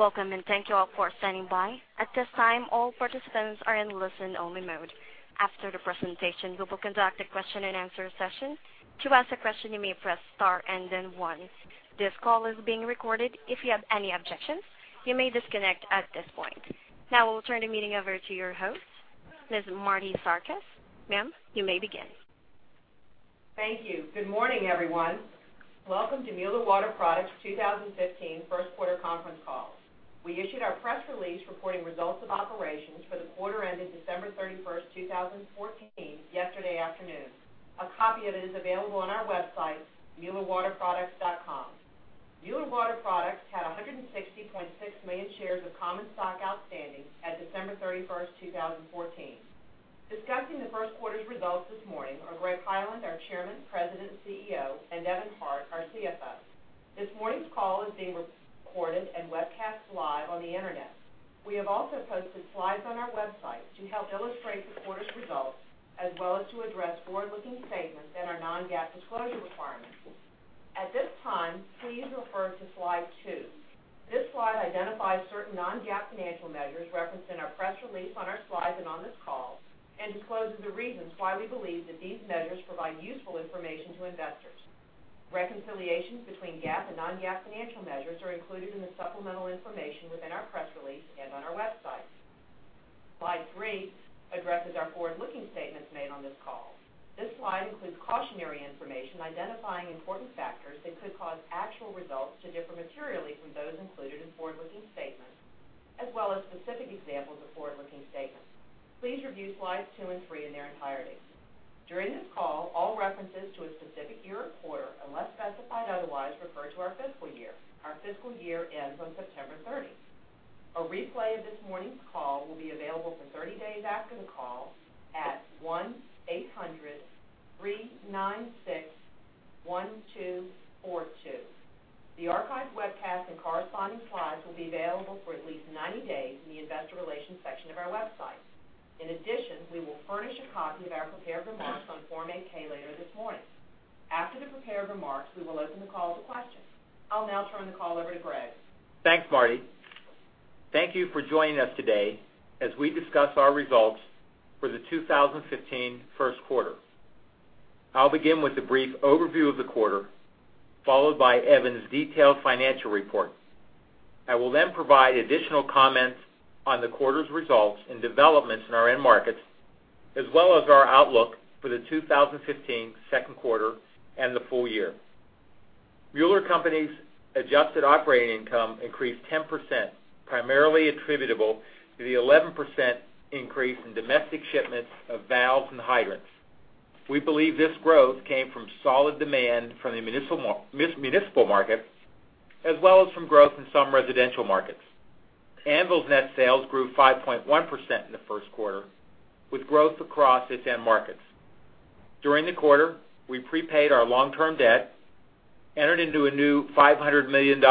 Welcome. Thank you all for standing by. At this time, all participants are in listen-only mode. After the presentation, we will conduct a question-and-answer session. To ask a question, you may press star and then one. This call is being recorded. If you have any objections, you may disconnect at this point. Now we'll turn the meeting over to your host, Ms. Marti Sarkis. Ma'am, you may begin. Thank you. Good morning, everyone. Welcome to Mueller Water Products' 2015 first quarter conference call. We issued our press release reporting results of operations for the quarter ended December 31st, 2014, yesterday afternoon. A copy of it is available on our website, muellerwaterproducts.com. Mueller Water Products had 160.6 million shares of common stock outstanding at December 31st, 2014. Discussing the first quarter's results this morning are Greg Hyland, our Chairman, President, and CEO, and Evan Hart, our CFO. This morning's call is being recorded and webcast live on the Internet. We have also posted slides on our website to help illustrate the quarter's results, as well as to address forward-looking statements and our non-GAAP disclosure requirements. At this time, please refer to Slide two. This slide identifies certain non-GAAP financial measures referenced in our press release, on our slides, and on this call, discloses the reasons why we believe that these measures provide useful information to investors. Reconciliations between GAAP and non-GAAP financial measures are included in the supplemental information within our press release and on our website. Slide three addresses our forward-looking statements made on this call. This slide includes cautionary information identifying important factors that could cause actual results to differ materially from those included in forward-looking statements, as well as specific examples of forward-looking statements. Please review Slides two and three in their entirety. During this call, all references to a specific year or quarter, unless specified otherwise, refer to our fiscal year. Our fiscal year ends on September 30th. A replay of this morning's call will be available for 30 days after the call at 1-800-396-1242. The archived webcast and corresponding slides will be available for at least 90 days in the investor relations section of our website. In addition, we will furnish a copy of our prepared remarks on Form 8-K later this morning. After the prepared remarks, we will open the call to questions. I'll now turn the call over to Greg. Thanks, Marti. Thank you for joining us today as we discuss our results for the 2015 first quarter. I will begin with a brief overview of the quarter, followed by Evan's detailed financial report. I will then provide additional comments on the quarter's results and developments in our end markets, as well as our outlook for the 2015 second quarter and the full year. Mueller Company's adjusted operating income increased 10%, primarily attributable to the 11% increase in domestic shipments of valves and hydrants. We believe this growth came from solid demand from the municipal market, as well as from growth in some residential markets. Anvil's net sales grew 5.1% in the first quarter, with growth across its end markets. During the quarter, we prepaid our long-term debt, entered into a new $500 million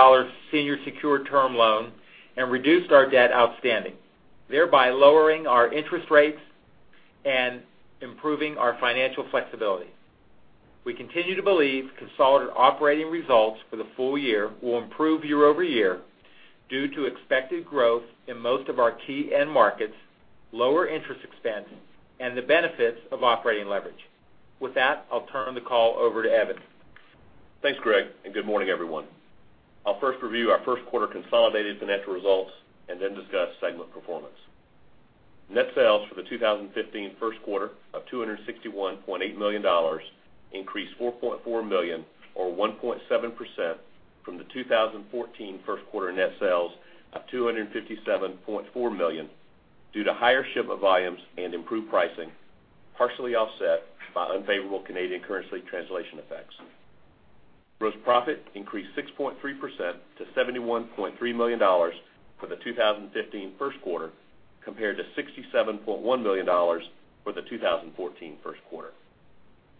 senior secured term loan, and reduced our debt outstanding, thereby lowering our interest rates and improving our financial flexibility. We continue to believe consolidated operating results for the full year will improve year-over-year due to expected growth in most of our key end markets, lower interest expense, and the benefits of operating leverage. With that, I will turn the call over to Evan. Thanks, Greg, and good morning, everyone. I will first review our first quarter consolidated financial results and then discuss segment performance. Net sales for the 2015 first quarter of $261.8 million increased $4.4 million or 1.7% from the 2014 first quarter net sales of $257.4 million due to higher shipment volumes and improved pricing, partially offset by unfavorable Canadian currency translation effects. Gross profit increased 6.3% to $71.3 million for the 2015 first quarter, compared to $67.1 million for the 2014 first quarter.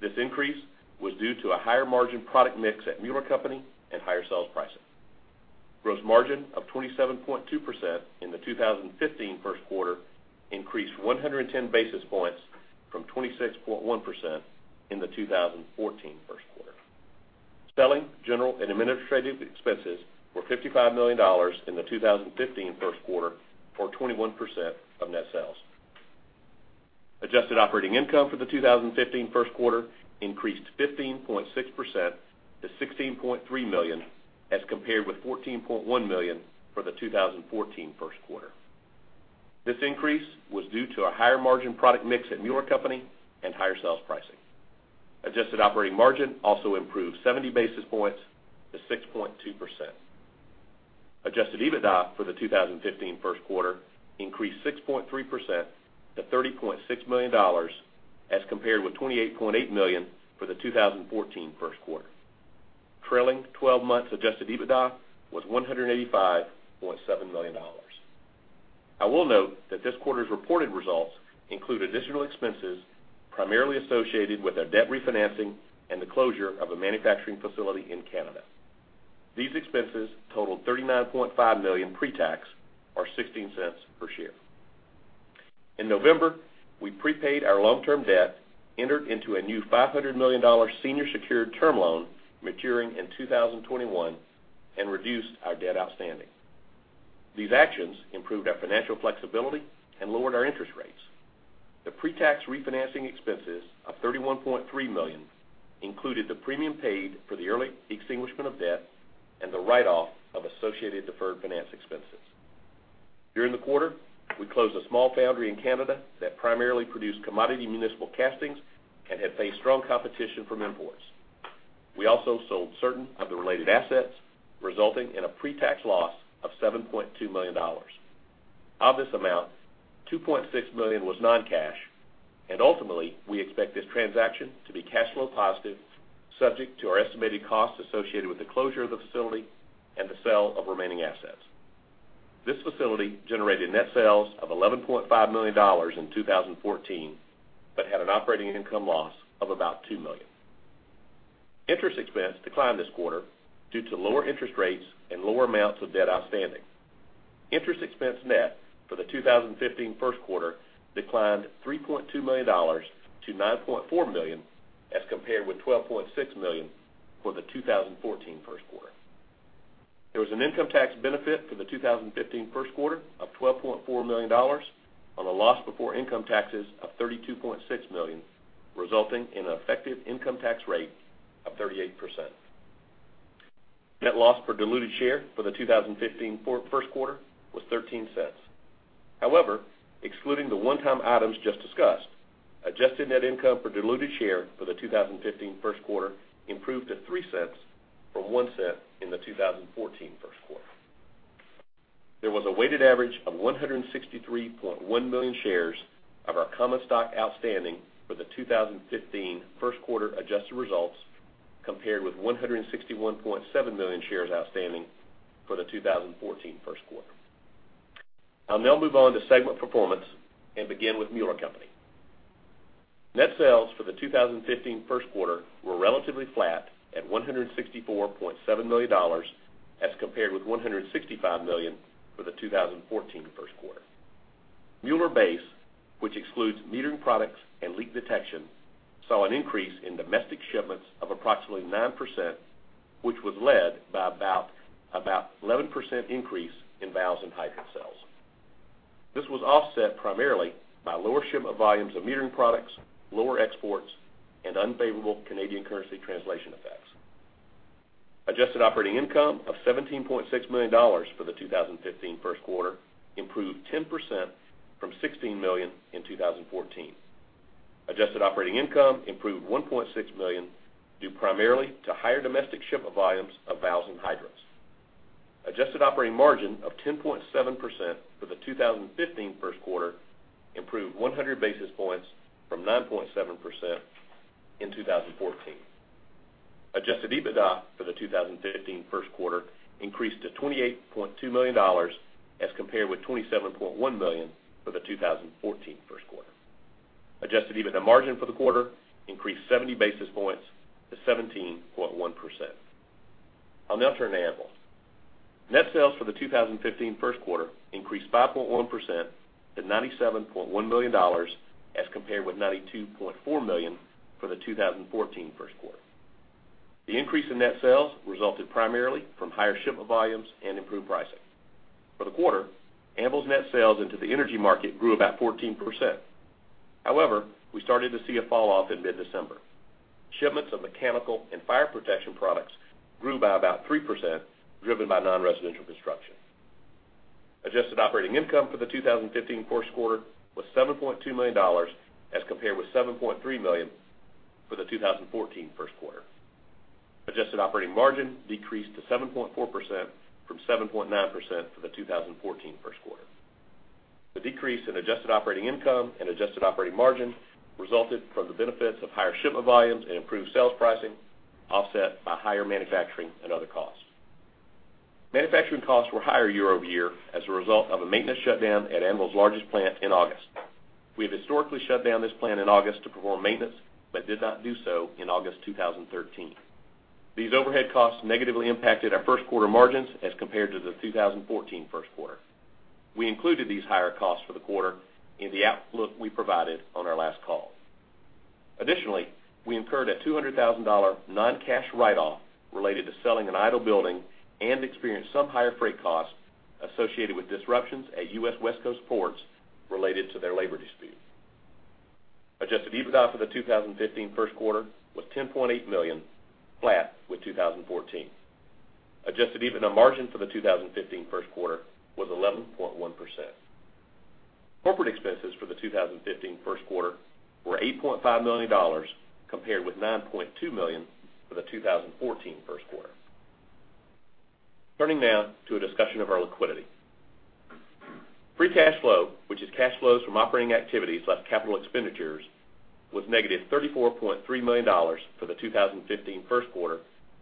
This increase was due to a higher margin product mix at Mueller Company and higher sales pricing. Gross margin of 27.2% in the 2015 first quarter increased 110 basis points from 26.1% in the 2014 first quarter. Selling, general and administrative expenses were $55 million in the 2015 first quarter or 21% of net sales. Adjusted operating income for the 2015 first quarter increased 15.6% to $16.3 million as compared with $14.1 million for the 2014 first quarter. This increase was due to a higher margin product mix at Mueller Company and higher sales pricing. Adjusted operating margin also improved 70 basis points to 6.2%. Adjusted EBITDA for the 2015 first quarter increased 6.3% to $30.6 million as compared with $28.8 million for the 2014 first quarter. Trailing 12 months adjusted EBITDA was $185.7 million. I will note that this quarter's reported results include additional expenses primarily associated with our debt refinancing and the closure of a manufacturing facility in Canada. These expenses totaled $39.5 million pre-tax or $0.16 per share. In November, we prepaid our long-term debt, entered into a new $500 million senior secured term loan maturing in 2021, and reduced our debt outstanding. These actions improved our financial flexibility and lowered our interest rates. The pretax refinancing expenses of $31.3 million included the premium paid for the early extinguishment of debt and the write-off of associated deferred finance expenses. During the quarter, we closed a small foundry in Canada that primarily produced commodity municipal castings and had faced strong competition from imports. We also sold certain of the related assets, resulting in a pretax loss of $7.2 million. Of this amount, $2.6 million was non-cash, and ultimately, we expect this transaction to be cash flow positive, subject to our estimated costs associated with the closure of the facility and the sale of remaining assets. This facility generated net sales of $11.5 million in 2014 but had an operating income loss of about $2 million. Interest expense declined this quarter due to lower interest rates and lower amounts of debt outstanding. Interest expense net for the 2015 first quarter declined $3.2 million to $9.4 million as compared with $12.6 million for the 2014 first quarter. There was an income tax benefit for the 2015 first quarter of $12.4 million on a loss before income taxes of $32.6 million, resulting in an effective income tax rate of 38%. Net loss per diluted share for the 2015 first quarter was $0.13. However, excluding the one-time items just discussed, adjusted net income per diluted share for the 2015 first quarter improved to $0.03 from $0.01 in the 2014 first quarter. There was a weighted average of 163.1 million shares of our common stock outstanding for the 2015 first quarter adjusted results, compared with 161.7 million shares outstanding for the 2014 first quarter. I'll now move on to segment performance and begin with Mueller Co. Net sales for the 2015 first quarter were relatively flat at $164.7 million as compared with $165 million for the 2014 first quarter. Mueller Base, which excludes metering products and leak detection, saw an increase in domestic shipments of approximately 9%, which was led by about 11% increase in valves and hydrants. This was offset primarily by lower shipment volumes of metering products, lower exports, and unfavorable Canadian currency translation effects. Adjusted operating income of $17.6 million for the 2015 first quarter improved 10% from $16 million in 2014. Adjusted operating income improved $1.6 million due primarily to higher domestic shipment volumes of valves and hydrants. Adjusted operating margin of 10.7% for the 2015 first quarter improved 100 basis points from 9.7% in 2014. Adjusted EBITDA for the 2015 first quarter increased to $28.2 million as compared with $27.1 million for the 2014 first quarter. Adjusted EBITDA margin for the quarter increased 70 basis points to 17.1%. I'll now turn to Anvil. Net sales for the 2015 first quarter increased 5.1% to $97.1 million as compared with $92.4 million for the 2014 first quarter. The increase in net sales resulted primarily from higher shipment volumes and improved pricing. For the quarter, Anvil's net sales into the energy market grew about 14%. However, we started to see a fall off in mid-December. Shipments of mechanical and fire protection products grew by about 3%, driven by non-residential construction. Adjusted operating income for the 2015 first quarter was $7.2 million as compared with $7.3 million for the 2014 first quarter. Adjusted operating margin decreased to 7.4% from 7.9% for the 2014 first quarter. The decrease in adjusted operating income and adjusted operating margin resulted from the benefits of higher shipment volumes and improved sales pricing, offset by higher manufacturing and other costs. Manufacturing costs were higher year-over-year as a result of a maintenance shutdown at Anvil's largest plant in August. We have historically shut down this plant in August to perform maintenance but did not do so in August 2013. These overhead costs negatively impacted our first quarter margins as compared to the 2014 first quarter. We included these higher costs for the quarter in the outlook we provided on our last call. Additionally, we incurred a $200,000 non-cash write-off related to selling an idle building and experienced some higher freight costs associated with disruptions at U.S. West Coast ports related to their labor dispute. Adjusted EBITDA for the 2015 first quarter was $10.8 million, flat with 2014. Adjusted EBITDA margin for the 2015 first quarter was 11.1%. Corporate expenses for the 2015 first quarter were $8.5 million, compared with $9.2 million for the 2014 first quarter. Turning now to a discussion of our liquidity. Free cash flow, which is cash flows from operating activities less capital expenditures, was negative $34.3 million for the 2015 first quarter,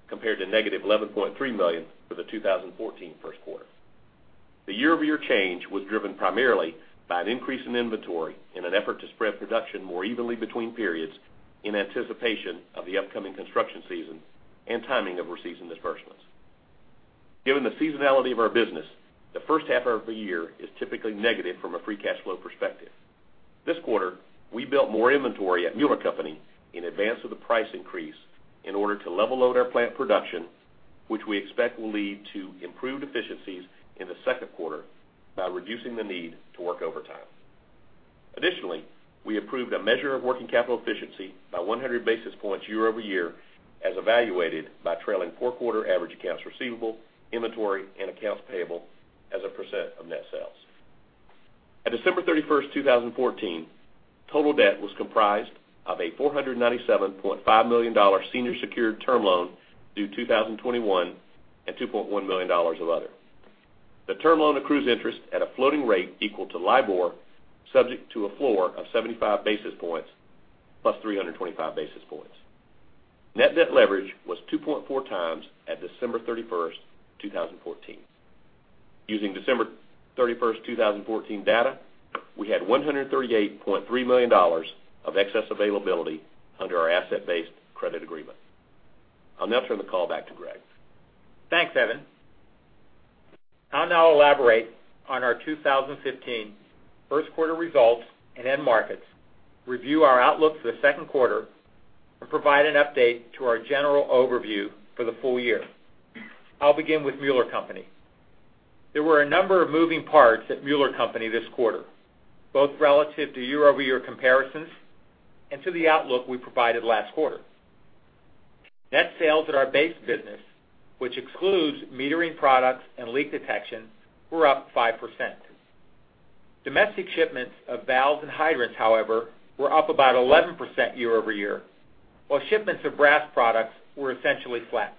compared to negative $11.3 million for the 2014 first quarter. The year-over-year change was driven primarily by an increase in inventory in an effort to spread production more evenly between periods in anticipation of the upcoming construction season and timing of our season disbursements. Given the seasonality of our business, the first half of the year is typically negative from a free cash flow perspective. This quarter, we built more inventory at Mueller Company in advance of the price increase in order to level load our plant production, which we expect will lead to improved efficiencies in the second quarter by reducing the need to work overtime. Additionally, we improved a measure of working capital efficiency by 100 basis points year-over-year as evaluated by trailing four-quarter average accounts receivable, inventory, and accounts payable as a percent of net sales. At December 31st, 2014, total debt was comprised of a $497.5 million senior secured term loan due 2021 and $2.1 million of other. The term loan accrues interest at a floating rate equal to LIBOR, subject to a floor of 75 basis points plus 325 basis points. Net debt leverage was 2.4 times at December 31st, 2014. Using December 31st, 2014 data, we had $138.3 million of excess availability under our asset-based credit agreement. I'll now turn the call back to Greg. Thanks, Evan. I'll now elaborate on our 2015 first quarter results and end markets, review our outlook for the second quarter, and provide an update to our general overview for the full year. I'll begin with Mueller Co. There were a number of moving parts at Mueller Co. this quarter, both relative to year-over-year comparisons and to the outlook we provided last quarter. Net sales at our base business, which excludes metering products and leak detection, were up 5%. Domestic shipments of valves and hydrants, however, were up about 11% year-over-year, while shipments of brass products were essentially flat.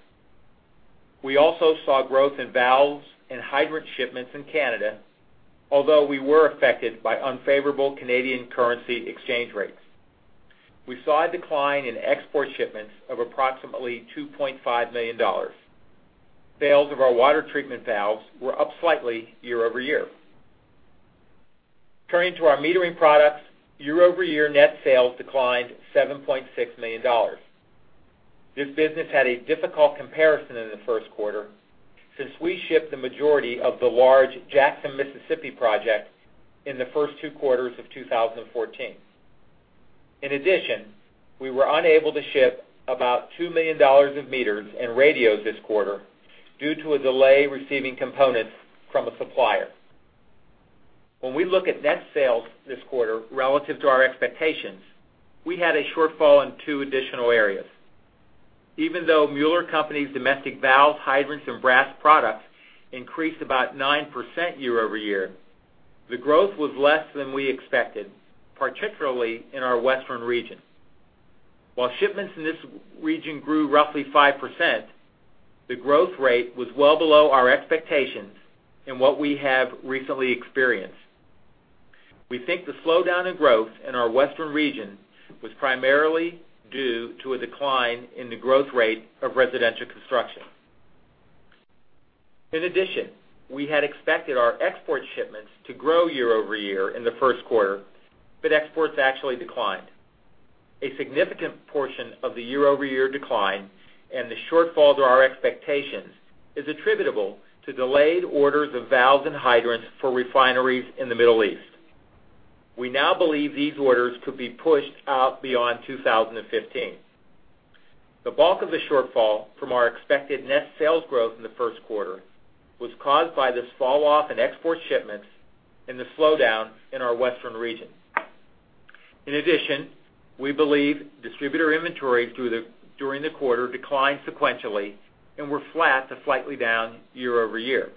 We also saw growth in valves and hydrant shipments in Canada, although we were affected by unfavorable Canadian currency exchange rates. We saw a decline in export shipments of approximately $2.5 million. Sales of our water treatment valves were up slightly year-over-year. Turning to our metering products, year-over-year net sales declined $7.6 million. This business had a difficult comparison in the first quarter since we shipped the majority of the large Jackson, Mississippi project in the first two quarters of 2014. In addition, we were unable to ship about $2 million of meters and radios this quarter due to a delay receiving components from a supplier. When we look at net sales this quarter relative to our expectations, we had a shortfall in two additional areas. Even though Mueller Co.'s domestic valves, hydrants, and brass products increased about 9% year-over-year, the growth was less than we expected, particularly in our Western region. While shipments in this region grew roughly 5%, the growth rate was well below our expectations and what we have recently experienced. We think the slowdown in growth in our Western region was primarily due to a decline in the growth rate of residential construction. In addition, we had expected our export shipments to grow year-over-year in the first quarter, but exports actually declined. A significant portion of the year-over-year decline and the shortfall to our expectations is attributable to delayed orders of valves and hydrants for refineries in the Middle East. We now believe these orders could be pushed out beyond 2015. The bulk of the shortfall from our expected net sales growth in the first quarter was caused by this falloff in export shipments and the slowdown in our Western region. In addition, we believe distributor inventory during the quarter declined sequentially and were flat to slightly down year-over-year.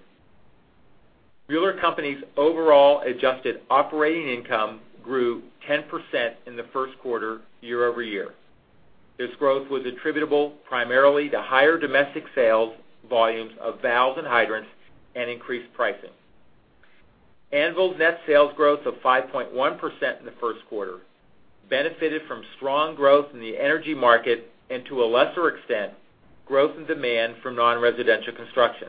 Mueller Co.'s overall adjusted operating income grew 10% in the first quarter year-over-year. This growth was attributable primarily to higher domestic sales volumes of valves and hydrants and increased pricing. Anvil's net sales growth of 5.1% in the first quarter benefited from strong growth in the energy market and, to a lesser extent, growth in demand from non-residential construction.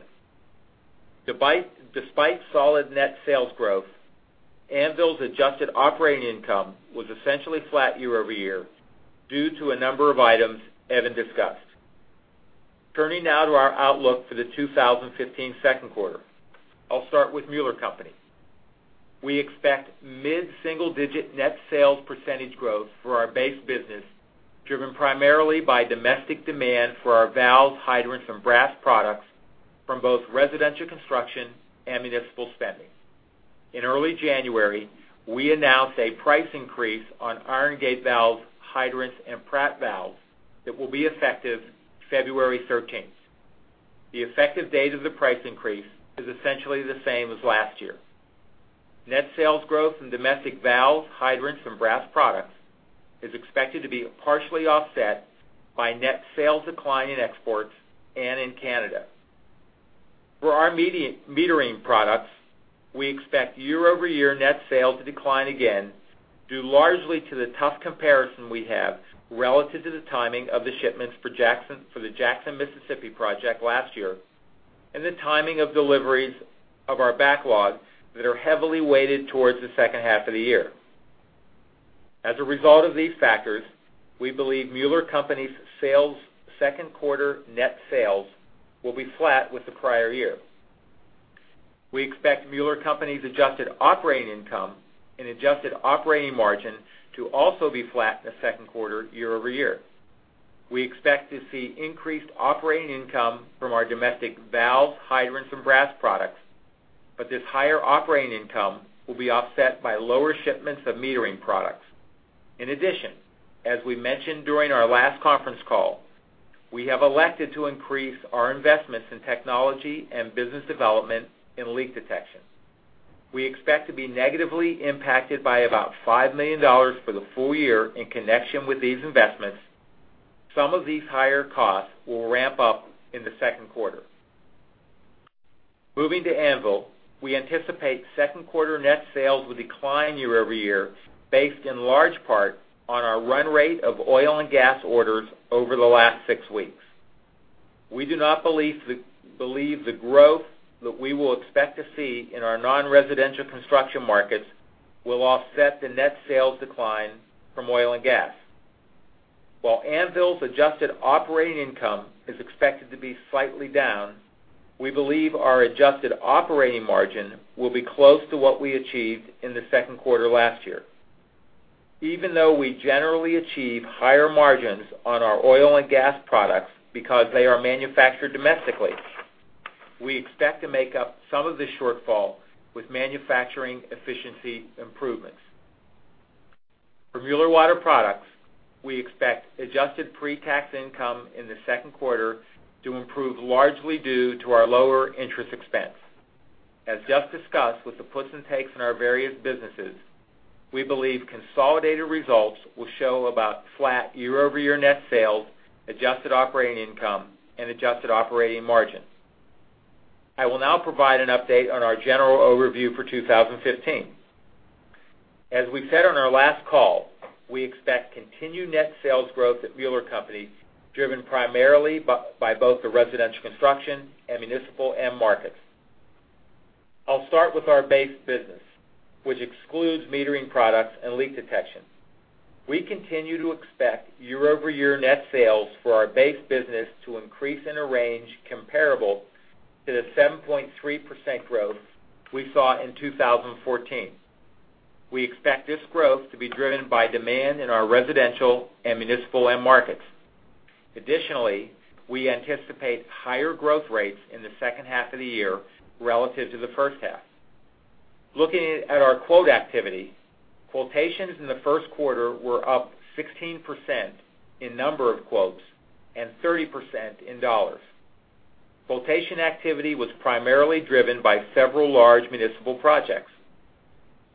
Despite solid net sales growth, Anvil's adjusted operating income was essentially flat year-over-year due to a number of items Evan discussed. Turning now to our outlook for the 2015 second quarter. I'll start with Mueller Co. We expect mid-single-digit net sales percentage growth for our base business, driven primarily by domestic demand for our valves, hydrants, and brass products from both residential construction and municipal spending. In early January, we announced a price increase on iron gate valves, hydrants, and Pratt valves that will be effective February 13th. The effective date of the price increase is essentially the same as last year. Net sales growth in domestic valves, hydrants, and brass products is expected to be partially offset by net sales decline in exports and in Canada. For our metering products, we expect year-over-year net sales to decline again, due largely to the tough comparison we have relative to the timing of the shipments for the Jackson, Mississippi project last year and the timing of deliveries of our backlog that are heavily weighted towards the second half of the year. As a result of these factors, we believe Mueller Co.'s second quarter net sales will be flat with the prior year. We expect Mueller Co.'s adjusted operating income and adjusted operating margin to also be flat in the second quarter year-over-year. We expect to see increased operating income from our domestic valves, hydrants, and brass products, this higher operating income will be offset by lower shipments of metering products. As we mentioned during our last conference call, we have elected to increase our investments in technology and business development in leak detection. We expect to be negatively impacted by about $5 million for the full year in connection with these investments. Some of these higher costs will ramp up in the second quarter. Moving to Anvil, we anticipate second quarter net sales will decline year-over-year, based in large part on our run rate of oil and gas orders over the last six weeks. We do not believe the growth that we will expect to see in our non-residential construction markets will offset the net sales decline from oil and gas. Anvil's adjusted operating income is expected to be slightly down, we believe our adjusted operating margin will be close to what we achieved in the second quarter last year. We generally achieve higher margins on our oil and gas products because they are manufactured domestically, we expect to make up some of the shortfall with manufacturing efficiency improvements. For Mueller Water Products, we expect adjusted pre-tax income in the second quarter to improve, largely due to our lower interest expense. Just discussed with the puts and takes in our various businesses, we believe consolidated results will show about flat year-over-year net sales, adjusted operating income, and adjusted operating margins. I will now provide an update on our general overview for 2015. We said on our last call, we expect continued net sales growth at Mueller Co., driven primarily by both the residential construction and municipal end markets. I'll start with our base business, which excludes metering products and leak detection. We continue to expect year-over-year net sales for our base business to increase in a range comparable to the 7.3% growth we saw in 2014. We expect this growth to be driven by demand in our residential and municipal end markets. We anticipate higher growth rates in the second half of the year relative to the first half. Looking at our quote activity, quotations in the first quarter were up 16% in number of quotes and 30% in dollars. Quotation activity was primarily driven by several large municipal projects.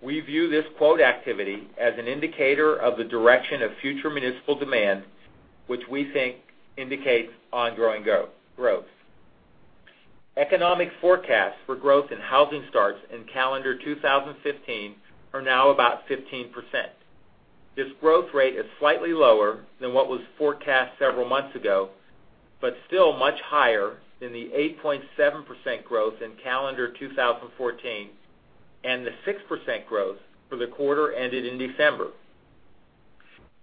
We view this quote activity as an indicator of the direction of future municipal demand, which we think indicates ongoing growth. Economic forecasts for growth in housing starts in calendar 2015 are now about 15%. This growth rate is slightly lower than what was forecast several months ago, but still much higher than the 8.7% growth in calendar 2014 and the 6% growth for the quarter ended in December.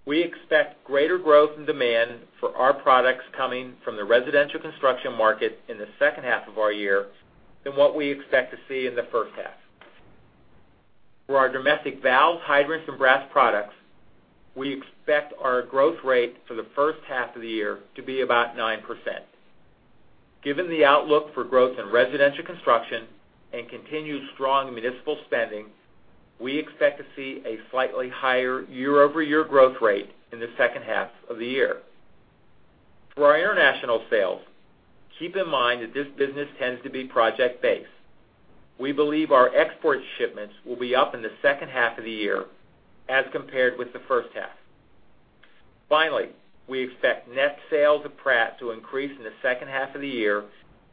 We expect greater growth and demand for our products coming from the residential construction market in the second half of our year than what we expect to see in the first half. For our domestic valves, hydrants, and brass products, we expect our growth rate for the first half of the year to be about 9%. Given the outlook for growth in residential construction and continued strong municipal spending, we expect to see a slightly higher year-over-year growth rate in the second half of the year. For our international sales, keep in mind that this business tends to be project-based. We believe our export shipments will be up in the second half of the year as compared with the first half. We expect net sales of Pratt to increase in the second half of the year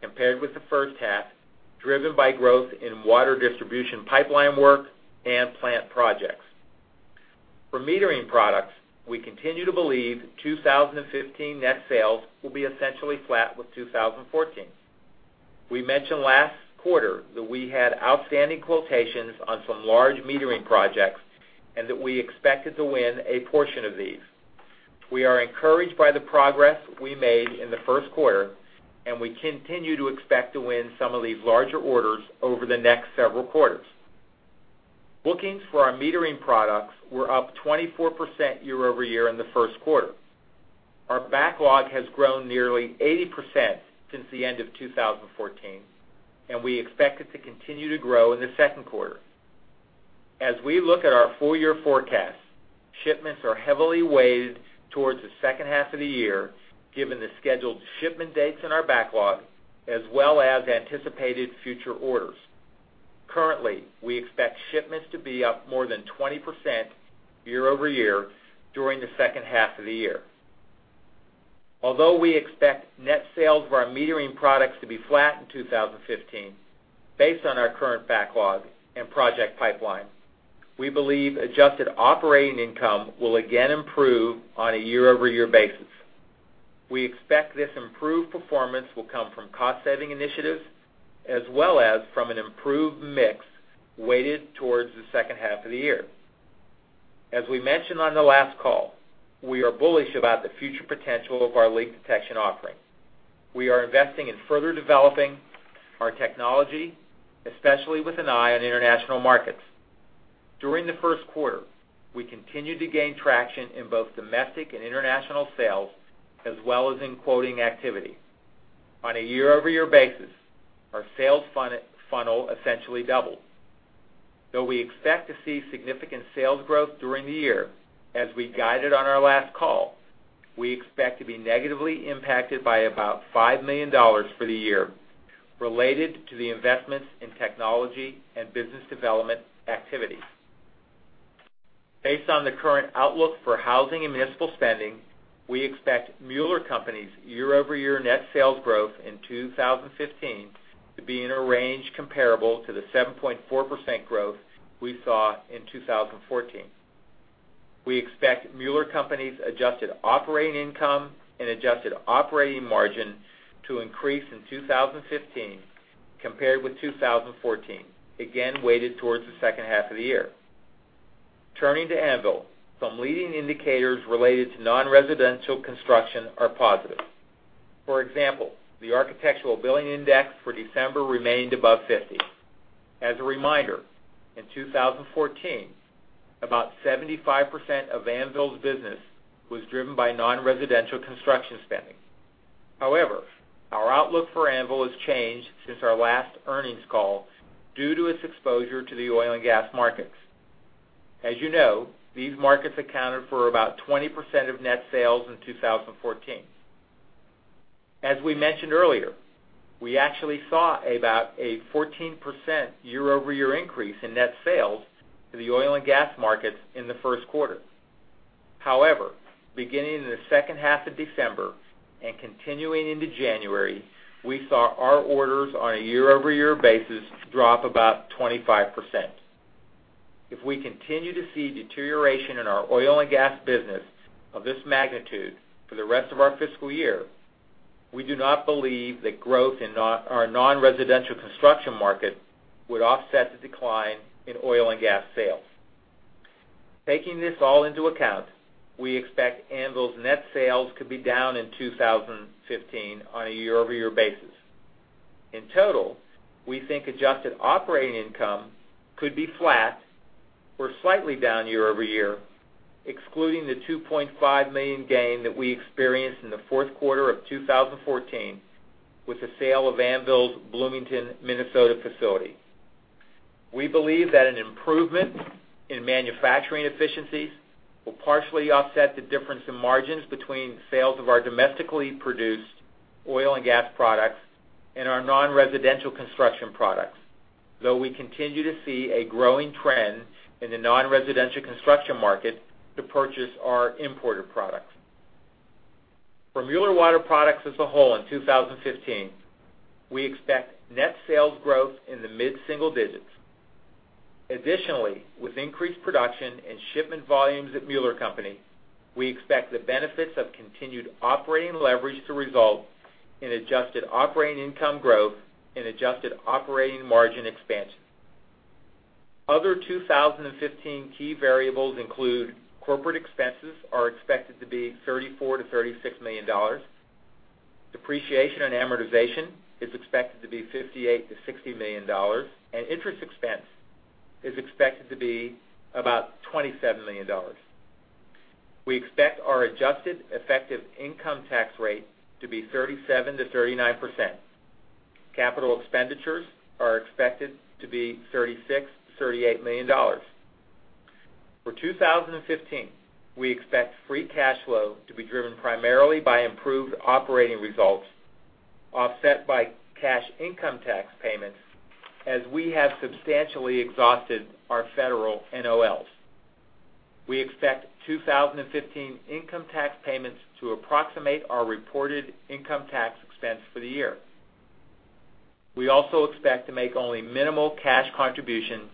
compared with the first half, driven by growth in water distribution pipeline work and plant projects. For metering products, we continue to believe 2015 net sales will be essentially flat with 2014. We mentioned last quarter that we had outstanding quotations on some large metering projects and that we expected to win a portion of these. We are encouraged by the progress we made in the first quarter. We continue to expect to win some of these larger orders over the next several quarters. Bookings for our metering products were up 24% year-over-year in the first quarter. Our backlog has grown nearly 80% since the end of 2014. We expect it to continue to grow in the second quarter. As we look at our full-year forecast, shipments are heavily weighted towards the second half of the year, given the scheduled shipment dates in our backlog, as well as anticipated future orders. Currently, we expect shipments to be up more than 20% year-over-year during the second half of the year. Although we expect net sales for our metering products to be flat in 2015, based on our current backlog and project pipeline, we believe adjusted operating income will again improve on a year-over-year basis. We expect this improved performance will come from cost-saving initiatives, as well as from an improved mix weighted towards the second half of the year. As we mentioned on the last call, we are bullish about the future potential of our leak detection offering. We are investing in further developing our technology, especially with an eye on international markets. During the first quarter, we continued to gain traction in both domestic and international sales, as well as in quoting activity. On a year-over-year basis, our sales funnel essentially doubled. Though we expect to see significant sales growth during the year, as we guided on our last call, we expect to be negatively impacted by about $5 million for the year related to the investments in technology and business development activities. Based on the current outlook for housing and municipal spending, we expect Mueller Co.'s year-over-year net sales growth in 2015 to be in a range comparable to the 7.4% growth we saw in 2014. We expect Mueller Co.'s adjusted operating income and adjusted operating margin to increase in 2015 compared with 2014, again, weighted towards the second half of the year. Turning to Anvil, some leading indicators related to non-residential construction are positive. For example, the Architecture Billings Index for December remained above 50. As a reminder, in 2014, about 75% of Anvil's business was driven by non-residential construction spending. However, our outlook for Anvil has changed since our last earnings call due to its exposure to the oil and gas markets. As you know, these markets accounted for about 20% of net sales in 2014. As we mentioned earlier, we actually saw about a 14% year-over-year increase in net sales to the oil and gas markets in the first quarter. However, beginning in the second half of December and continuing into January, we saw our orders on a year-over-year basis drop about 25%. If we continue to see deterioration in our oil and gas business of this magnitude for the rest of our fiscal year, we do not believe that growth in our non-residential construction market would offset the decline in oil and gas sales. Taking this all into account, we expect Anvil's net sales could be down in 2015 on a year-over-year basis. In total, we think adjusted operating income could be flat or slightly down year-over-year, excluding the $2.5 million gain that we experienced in the fourth quarter of 2014 with the sale of Anvil's Bloomington, Minnesota facility. We believe that an improvement in manufacturing efficiencies will partially offset the difference in margins between sales of our domestically produced oil and gas products and our non-residential construction products, though we continue to see a growing trend in the non-residential construction market to purchase our imported products. For Mueller Water Products as a whole in 2015, we expect net sales growth in the mid-single digits. Additionally, with increased production and shipment volumes at Mueller Co., we expect the benefits of continued operating leverage to result in adjusted operating income growth and adjusted operating margin expansion. Other 2015 key variables include corporate expenses are expected to be $34 million-$36 million, depreciation and amortization is expected to be $58 million-$60 million, and interest expense is expected to be about $27 million. We expect our adjusted effective income tax rate to be 37%-39%. Capital expenditures are expected to be $36 million-$38 million. For 2015, we expect free cash flow to be driven primarily by improved operating results, offset by cash income tax payments, as we have substantially exhausted our federal NOLs. We expect 2015 income tax payments to approximate our reported income tax expense for the year. We also expect to make only minimal cash contributions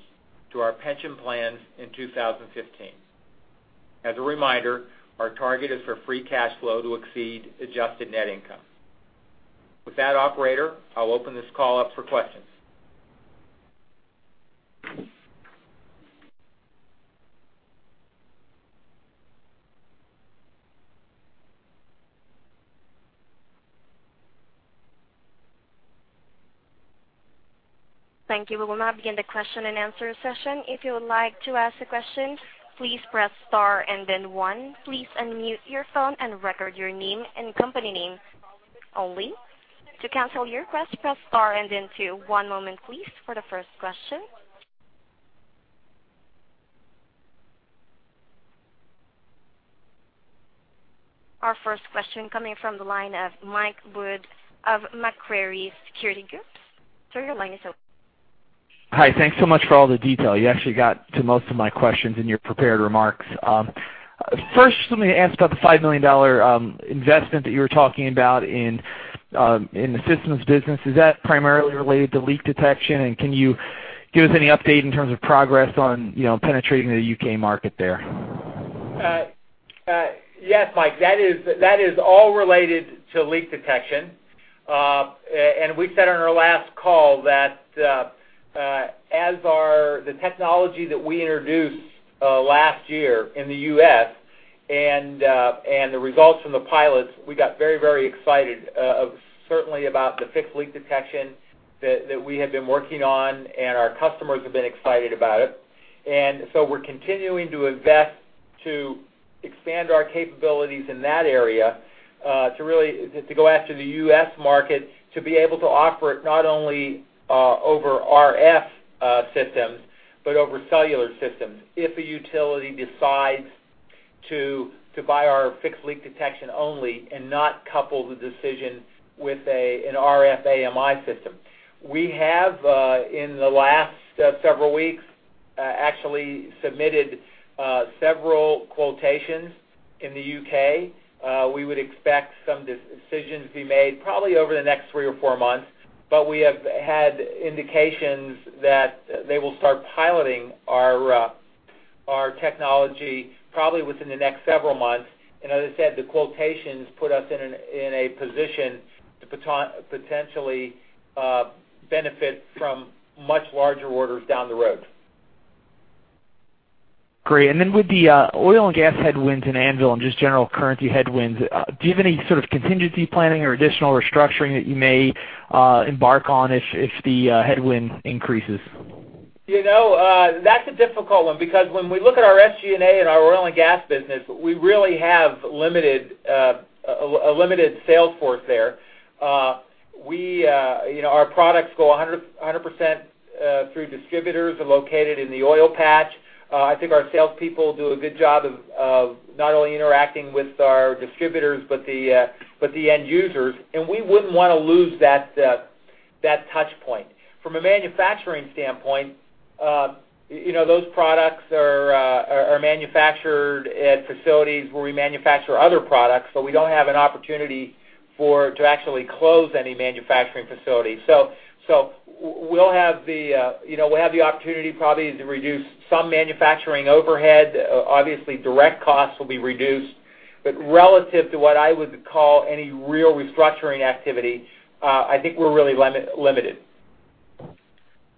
to our pension plans in 2015. As a reminder, our target is for free cash flow to exceed adjusted net income. With that, operator, I'll open this call up for questions. Thank you. We will now begin the question and answer session. If you would like to ask a question, please press star and then one. Please unmute your phone and record your name and company name only. To cancel your request, press star and then two. One moment please for the first question. Our first question coming from the line of Mike Wood of Macquarie Security Group. Sir, your line is open. Hi. Thanks so much for all the detail. You actually got to most of my questions in your prepared remarks. First, let me ask about the $5 million investment that you were talking about in the systems business. Is that primarily related to leak detection, and can you Give us any update in terms of progress on penetrating the U.K. market there. Yes, Mike, that is all related to leak detection. We said on our last call that as the technology that we introduced last year in the U.S. and the results from the pilots, we got very excited, certainly about the fixed leak detection that we have been working on. Our customers have been excited about it. So we're continuing to invest to expand our capabilities in that area, to go after the U.S. market, to be able to offer it not only over RF systems, but over cellular systems, if a utility decides to buy our fixed leak detection only and not couple the decision with an RF AMI system. We have, in the last several weeks, actually submitted several quotations in the U.K.. We would expect some decisions to be made probably over the next three or four months. We have had indications that they will start piloting our technology probably within the next several months. As I said, the quotations put us in a position to potentially benefit from much larger orders down the road. Great. With the oil and gas headwinds and Anvil and just general currency headwinds, do you have any sort of contingency planning or additional restructuring that you may embark on if the headwind increases? That's a difficult one because when we look at our SG&A and our oil and gas business, we really have a limited sales force there. Our products go 100% through distributors located in the oil patch. I think our salespeople do a good job of not only interacting with our distributors, but the end users, and we wouldn't want to lose that touch point. From a manufacturing standpoint, those products are manufactured at facilities where we manufacture other products, so we don't have an opportunity to actually close any manufacturing facilities. We'll have the opportunity probably to reduce some manufacturing overhead. Obviously, direct costs will be reduced, but relative to what I would call any real restructuring activity, I think we're really limited.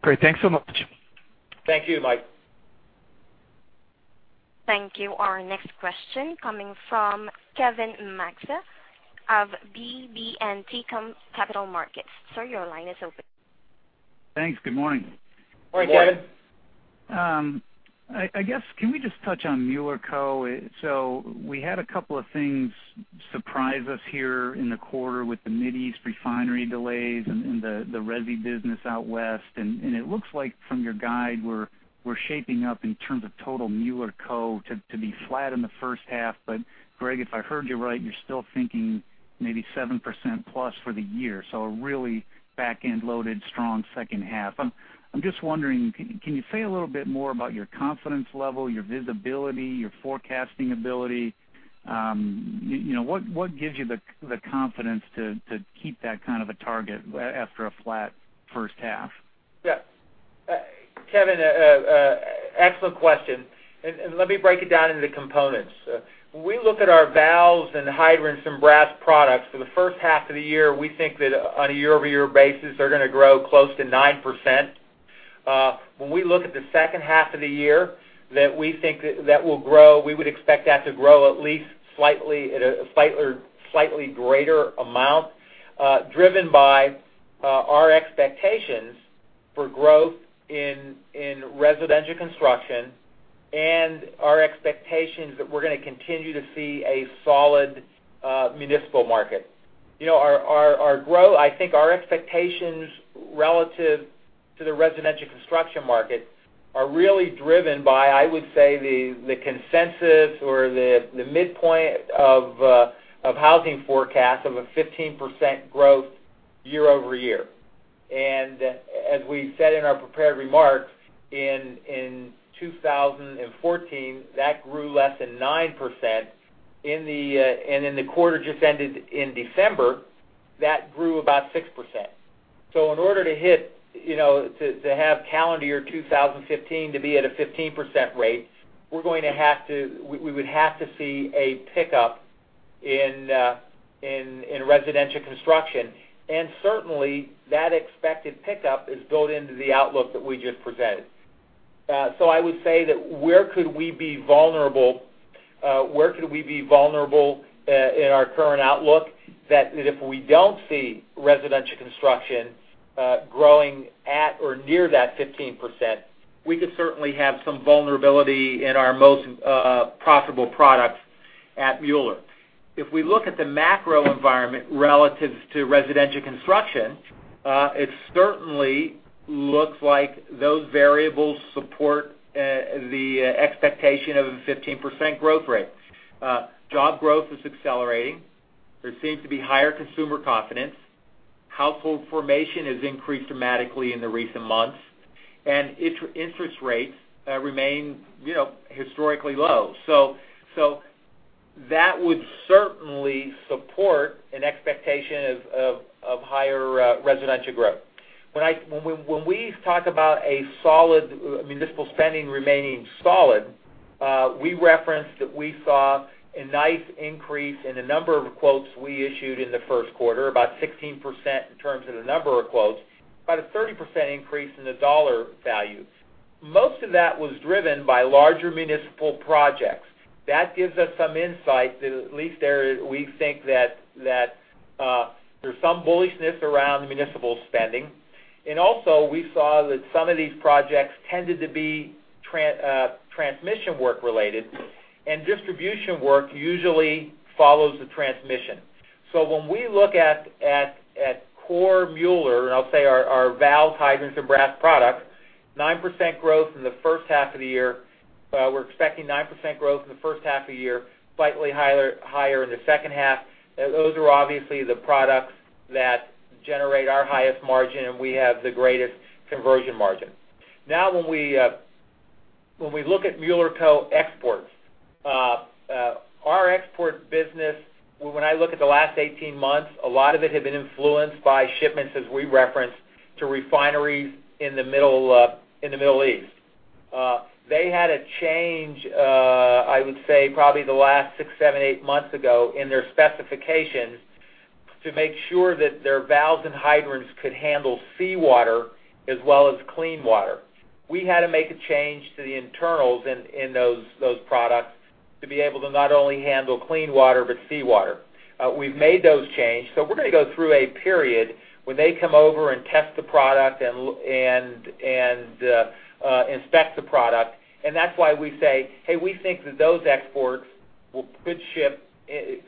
Great. Thanks so much. Thank you, Mike. Thank you. Our next question coming from Kevin Maxson of BB&T Capital Markets. Sir, your line is open. Thanks. Good morning. Good morning. Good morning. I guess, can we just touch on Mueller Co? We had a couple of things surprise us here in the quarter with the Mid East refinery delays and the resi business out West. It looks like from your guide, we're shaping up in terms of total Mueller Co to be flat in the first half, Greg, if I heard you right, you're still thinking maybe 7%+ for the year. A really back-end loaded, strong second half. I'm just wondering, can you say a little bit more about your confidence level, your visibility, your forecasting ability? What gives you the confidence to keep that kind of a target after a flat first half? Yeah. Kevin, excellent question. Let me break it down into components. When we look at our valves and hydrants from brass products, for the first half of the year, we think that on a year-over-year basis, they're going to grow close to 9%. When we look at the second half of the year, we think that will grow, we would expect that to grow at least a slightly greater amount, driven by our expectations for growth in residential construction and our expectations that we're going to continue to see a solid municipal market. I think our expectations relative to the residential construction market are really driven by, I would say, the consensus or the midpoint of housing forecast of a 15% growth year-over-year. As we said in our prepared remarks, in 2014, that grew less than 9%. In the quarter just ended in December, that grew about 6%. In order to have calendar year 2015 to be at a 15% rate, we would have to see a pickup in residential construction, certainly, that expected pickup is built into the outlook that we just presented. I would say that where could we be vulnerable in our current outlook, that if we don't see residential construction growing at or near that 15%, we could certainly have some vulnerability in our most profitable products at Mueller. If we look at the macro environment relative to residential construction, it certainly looks like those variables support the expectation of a 15% growth rate. Job growth is accelerating. There seems to be higher consumer confidence. Household formation has increased dramatically in the recent months, interest rates remain historically low. That would certainly support an expectation of higher residential growth. When we talk about municipal spending remaining solid, we referenced that we saw a nice increase in the number of quotes we issued in the first quarter, about 16% in terms of the number of quotes, about a 30% increase in the $ value. Most of that was driven by larger municipal projects. That gives us some insight that at least we think that there's some bullishness around municipal spending. Also we saw that some of these projects tended to be transmission work-related, distribution work usually follows the transmission. When we look at core Mueller, I'll say our valves and hydrants and brass products, we're expecting 9% growth in the first half of the year, slightly higher in the second half. Those are obviously the products that generate our highest margin, and we have the greatest conversion margin. When we look at Mueller Co exports. Our export business, when I look at the last 18 months, a lot of it had been influenced by shipments, as we referenced, to refineries in the Middle East. They had a change, I would say probably the last six, seven, eight months ago, in their specifications to make sure that their valves and hydrants could handle seawater as well as clean water. We had to make a change to the internals in those products to be able to not only handle clean water, but seawater. We've made those changes. We're going to go through a period when they come over and test the product, and inspect the product, and that's why we say, "Hey, we think that those exports could ship in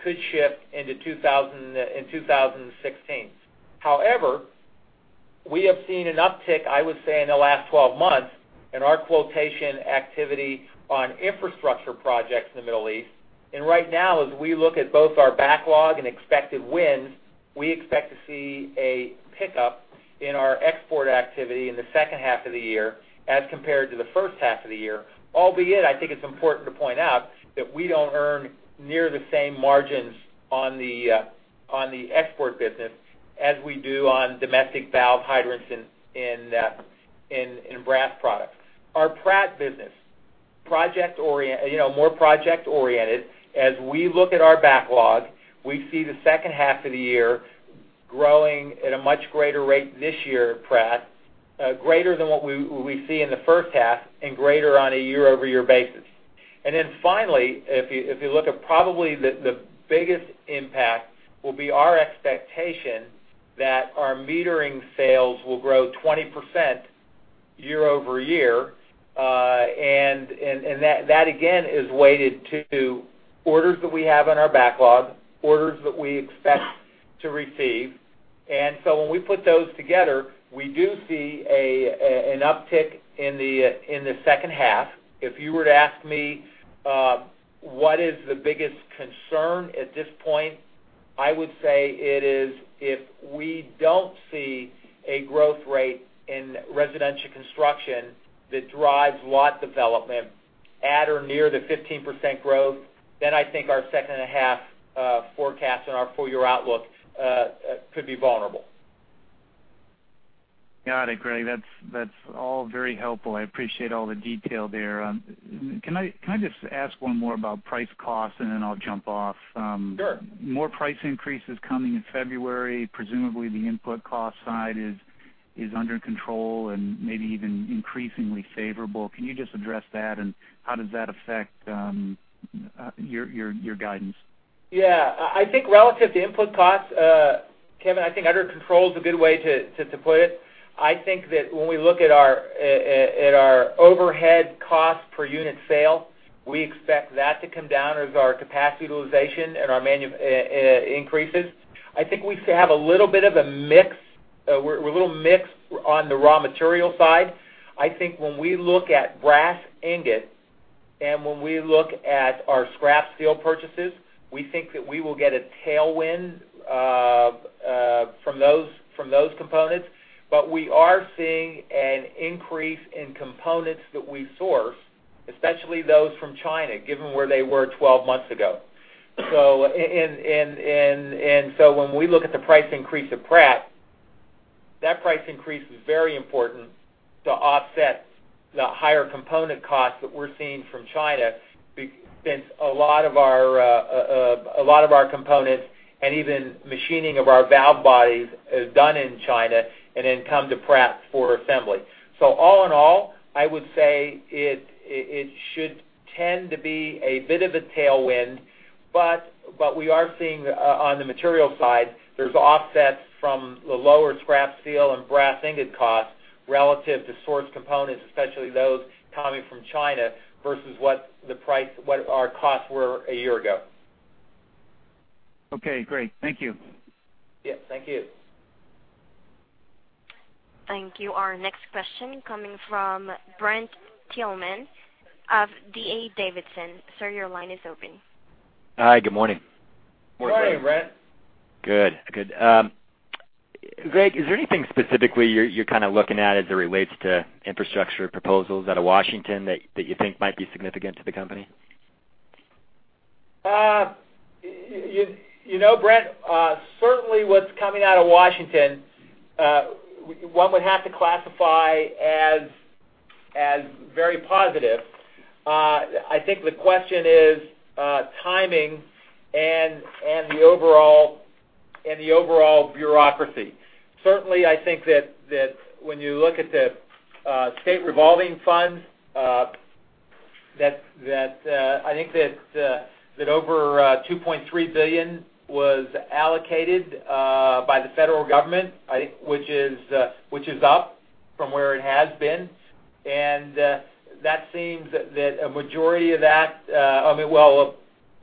2016." However, we have seen an uptick, I would say, in the last 12 months in our quotation activity on infrastructure projects in the Middle East. Right now, as we look at both our backlog and expected wins, we expect to see a pickup in our export activity in the second half of the year as compared to the first half of the year. Albeit, I think it's important to point out that we don't earn near the same margins on the export business as we do on domestic valve hydrants and brass products. Our Pratt business, more project-oriented. As we look at our backlog, we see the second half of the year growing at a much greater rate this year, Pratt. Greater than what we see in the first half and greater on a year-over-year basis. Finally, if you look at probably the biggest impact, will be our expectation that our metering sales will grow 20% year-over-year. That, again, is weighted to orders that we have in our backlog, orders that we expect to receive. When we put those together, we do see an uptick in the second half. If you were to ask me, what is the biggest concern at this point, I would say it is if we don't see a growth rate in residential construction that drives lot development at or near the 15% growth, then I think our second half forecast and our full-year outlook could be vulnerable. Got it, Greg. That's all very helpful. I appreciate all the detail there. Can I just ask one more about price cost, and then I'll jump off? Sure. More price increases coming in February. Presumably, the input cost side is under control and maybe even increasingly favorable. Can you just address that? How does that affect your guidance? Yeah. I think relative to input costs, Kevin, I think under control is a good way to put it. I think that when we look at our overhead cost per unit sale, we expect that to come down as our capacity utilization increases. I think we have a little bit of a mix. We're a little mixed on the raw material side. I think when we look at brass ingot, and when we look at our scrap steel purchases, we think that we will get a tailwind from those components. We are seeing an increase in components that we source, especially those from China, given where they were 12 months ago. When we look at the price increase of Pratt, that price increase is very important to offset the higher component costs that we're seeing from China, since a lot of our components and even machining of our valve bodies is done in China and then come to Pratt for assembly. All in all, I would say it should tend to be a bit of a tailwind, but we are seeing on the material side, there's offsets from the lower scrap steel and brass ingot cost relative to source components, especially those coming from China versus what our costs were a year ago. Okay, great. Thank you. Yeah. Thank you. Thank you. Our next question coming from Brent Thielman of D.A. Davidson. Sir, your line is open. Hi, good morning. Morning, Brent. Good. Greg, is there anything specifically you're looking at as it relates to infrastructure proposals out of Washington that you think might be significant to the company? Brent, certainly what's coming out of Washington, one would have to classify as very positive. I think the question is timing and the overall bureaucracy. Certainly, I think that when you look at the State Revolving Funds, I think that over $2.3 billion was allocated by the federal government, which is up from where it has been. That seems that a majority of that-- Well,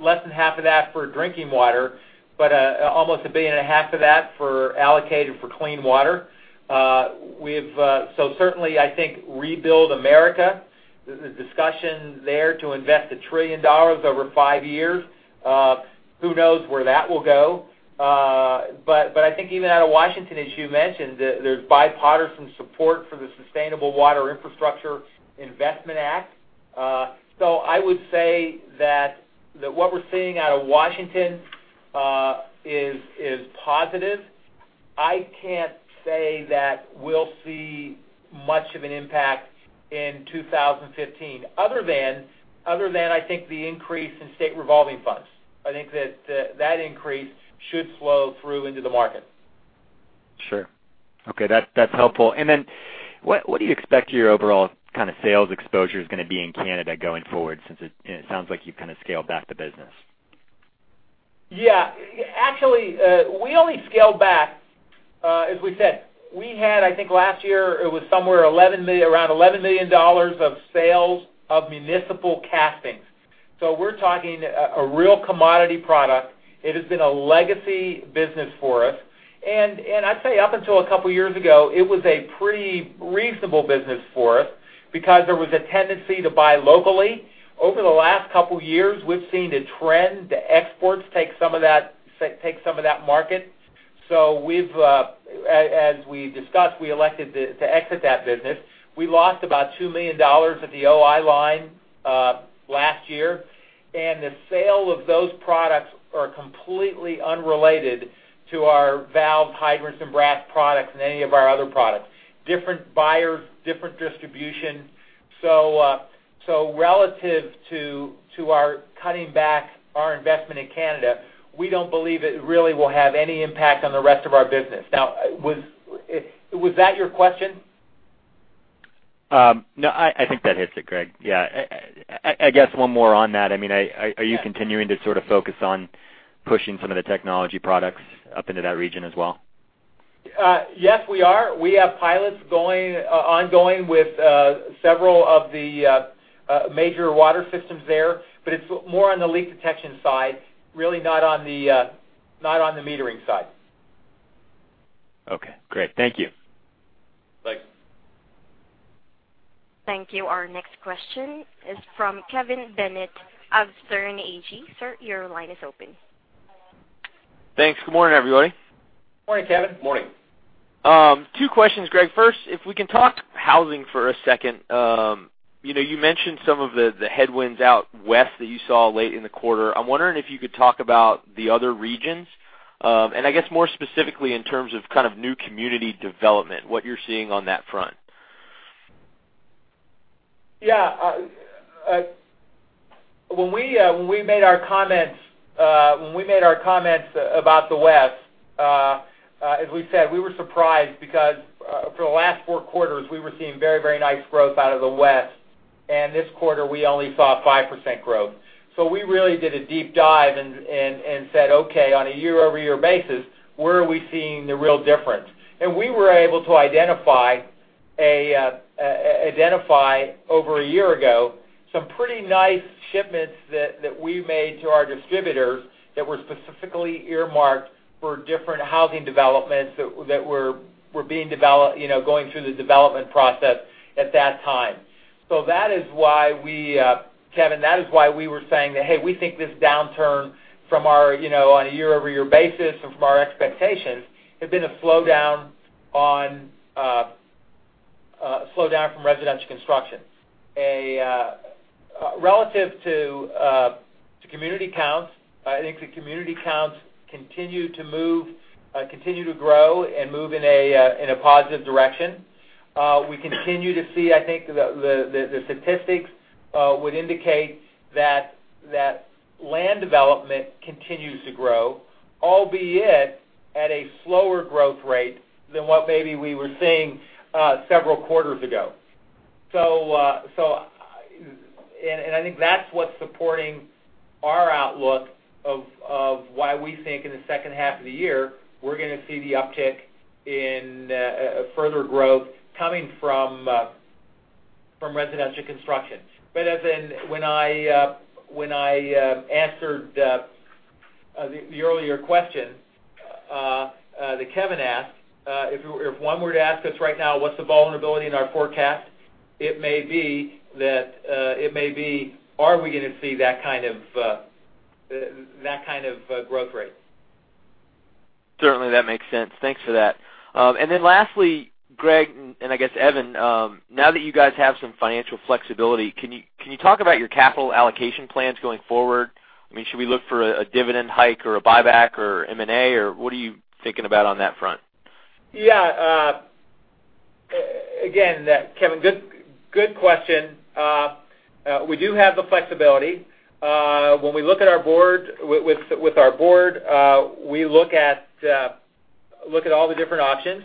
less than half of that for drinking water, but almost $1.5 billion of that allocated for clean water. Certainly, I think Rebuild America, there's a discussion there to invest $1 trillion over 5 years. Who knows where that will go? I think even out of Washington, as you mentioned, there's bipartisan support for the Sustainable Water Infrastructure Investment Act. I would say that what we're seeing out of Washington is positive. I can't say that we'll see much of an impact in 2015 other than, I think, the increase in State Revolving Funds. I think that increase should flow through into the market. Sure. Okay. That's helpful. What do you expect your overall sales exposure is going to be in Canada going forward, since it sounds like you've scaled back the business? Yeah. Actually, we only scaled back, as we said, we had, I think last year, it was somewhere around $11 million of sales of municipal castings. We're talking a real commodity product. It has been a legacy business for us. I'd say up until a couple of years ago, it was a pretty reasonable business for us because there was a tendency to buy locally. Over the last couple of years, we've seen a trend, the exports take some of that market. As we discussed, we elected to exit that business. We lost about $2 million at the OI line last year, and the sale of those products are completely unrelated to our valve, hydrants, and brass products and any of our other products. Different buyers, different distribution. Relative to our cutting back our investment in Canada, we don't believe it really will have any impact on the rest of our business. Was that your question? No, I think that hits it, Greg. Yeah. I guess one more on that. Are you continuing to sort of focus on pushing some of the technology products up into that region as well? Yes, we are. We have pilots ongoing with several of the major water systems there, but it's more on the leak detection side, really not on the metering side. Okay, great. Thank you. Thanks. Thank you. Our next question is from Kevin Bennett of Sterne Agee. Sir, your line is open. Thanks. Good morning, everybody. Morning, Kevin. Morning. Two questions, Greg. First, if we can talk housing for a second. You mentioned some of the headwinds out West that you saw late in the quarter. I'm wondering if you could talk about the other regions, and I guess more specifically in terms of kind of new community development, what you're seeing on that front. Yeah. When we made our comments about the West, as we said, we were surprised because for the last four quarters, we were seeing very nice growth out of the West, and this quarter we only saw 5% growth. We really did a deep dive and said, "Okay, on a year-over-year basis, where are we seeing the real difference?" We were able to identify, over a year ago, some pretty nice shipments that we made to our distributors that were specifically earmarked for different housing developments that were going through the development process at that time. Kevin, that is why we were saying that, "Hey, we think this downturn on a year-over-year basis or from our expectations, have been a slowdown from residential construction." Relative to community counts, I think the community counts continue to grow and move in a positive direction. We continue to see, I think, the statistics would indicate that land development continues to grow, albeit at a slower growth rate than what maybe we were seeing several quarters ago. I think that's what's supporting our outlook of why we think in the second half of the year, we're going to see the uptick in further growth coming from residential constructions. As in when I answered the earlier question that Kevin asked, if one were to ask us right now, what's the vulnerability in our forecast? It may be, are we going to see that kind of growth rate. Certainly, that makes sense. Thanks for that. Lastly, Greg, and I guess Evan, now that you guys have some financial flexibility, can you talk about your capital allocation plans going forward? Should we look for a dividend hike or a buyback or M&A, or what are you thinking about on that front? Again, Kevin, good question. We do have the flexibility. When we look at our board, we look at all the different options.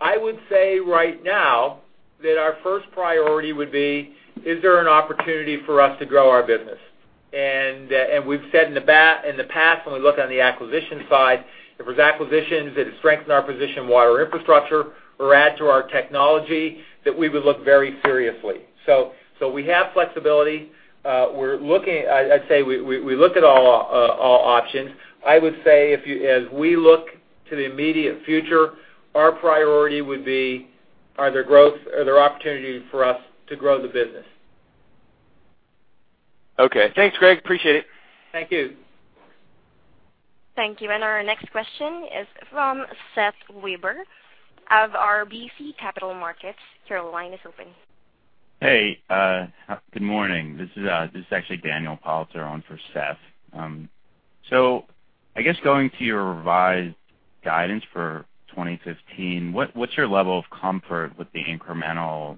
I would say right now that our first priority would be, is there an opportunity for us to grow our business? We've said in the past, when we look on the acquisition side, if there's acquisitions that strengthen our position in water infrastructure or add to our technology, that we would look very seriously. We have flexibility. I'd say we look at all options. I would say, as we look to the immediate future, our priority would be, are there opportunities for us to grow the business? Thanks, Greg. Appreciate it. Thank you. Thank you. Our next question is from Seth Weber of RBC Capital Markets. Your line is open. Hey, good morning. This is actually Daniel Paltzer on for Seth Weber. I guess going to your revised guidance for 2015, what's your level of comfort with the incremental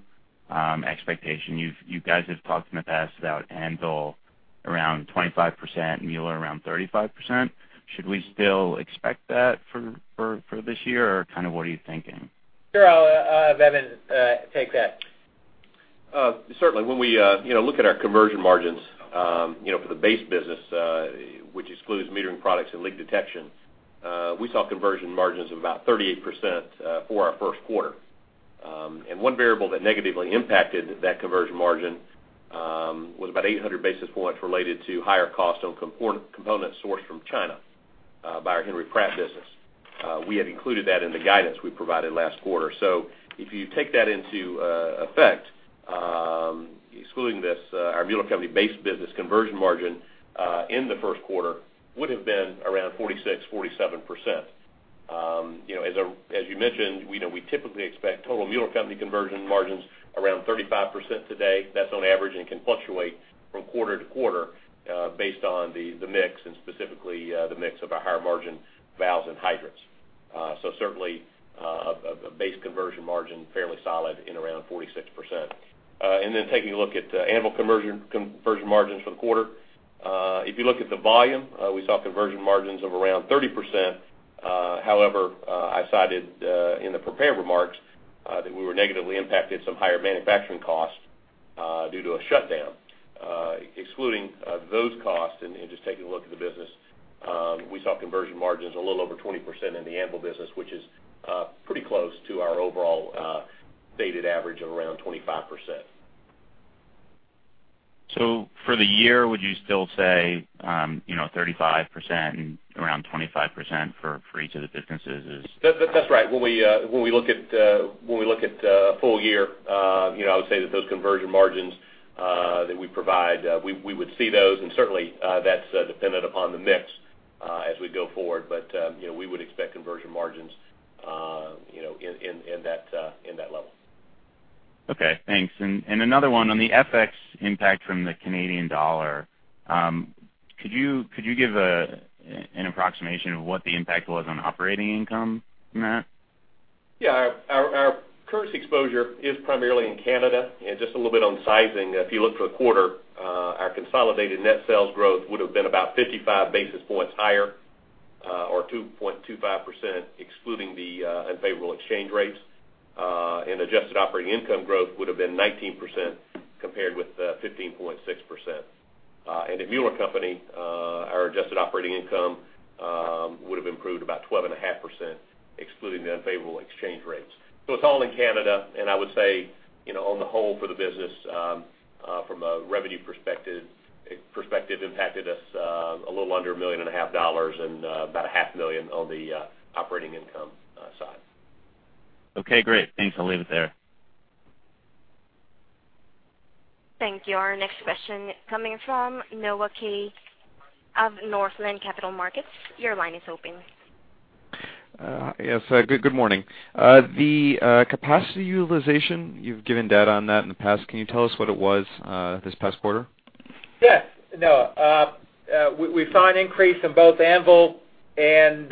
expectation? You guys have talked in the past about Anvil around 25%, Mueller around 35%. Should we still expect that for this year, or what are you thinking? Sure. I'll have Evan take that. Certainly. When we look at our conversion margins, for the base business, which excludes metering products and leak detection, we saw conversion margins of about 38% for our first quarter. One variable that negatively impacted that conversion margin, was about 800 basis points related to higher cost on components sourced from China, by our Henry Pratt business. We had included that in the guidance we provided last quarter. If you take that into effect, excluding this, our Mueller Company base business conversion margin, in the first quarter, would've been around 46%, 47%. As you mentioned, we typically expect total Mueller Company conversion margins around 35% today. That's on average and can fluctuate from quarter to quarter, based on the mix and specifically, the mix of our higher margin valves and hydrants. Certainly, a base conversion margin fairly solid in around 46%. Taking a look at Anvil conversion margins for the quarter. If you look at the volume, we saw conversion margins of around 30%. However, I cited, in the prepared remarks, that we were negatively impacted some higher manufacturing costs, due to a shutdown. Excluding those costs and just taking a look at the business, we saw conversion margins a little over 20% in the Anvil business, which is pretty close to our overall, stated average of around 25%. For the year, would you still say, 35% and around 25% for each of the businesses? That's right. When we look at full year, I would say that those conversion margins, that we provide, we would see those and certainly, that's dependent upon the mix, as we go forward. We would expect conversion margins in that level. Okay, thanks. Another one on the FX impact from the Canadian dollar. Could you give an approximation of what the impact was on operating income from that? Yeah. Our currency exposure is primarily in Canada, and just a little bit on sizing. If you look for a quarter, our consolidated net sales growth would've been about 55 basis points higher, or 2.25%, excluding the unfavorable exchange rates. Adjusted operating income growth would've been 19% compared with 15.6%. At Mueller Co., our adjusted operating income would've improved about 12.5%, excluding the unfavorable exchange rates. It's all in Canada, and I would say, on the whole for the business, from a revenue perspective, impacted us a little under a million and a half dollars and about a half million on the operating income side. Okay, great. Thanks. I'll leave it there. Thank you. Our next question coming from Noah Kay of Northland Capital Markets. Your line is open. Yes. Good morning. The capacity utilization, you've given data on that in the past. Can you tell us what it was, this past quarter? Yes. Noah, we saw an increase in both Anvil and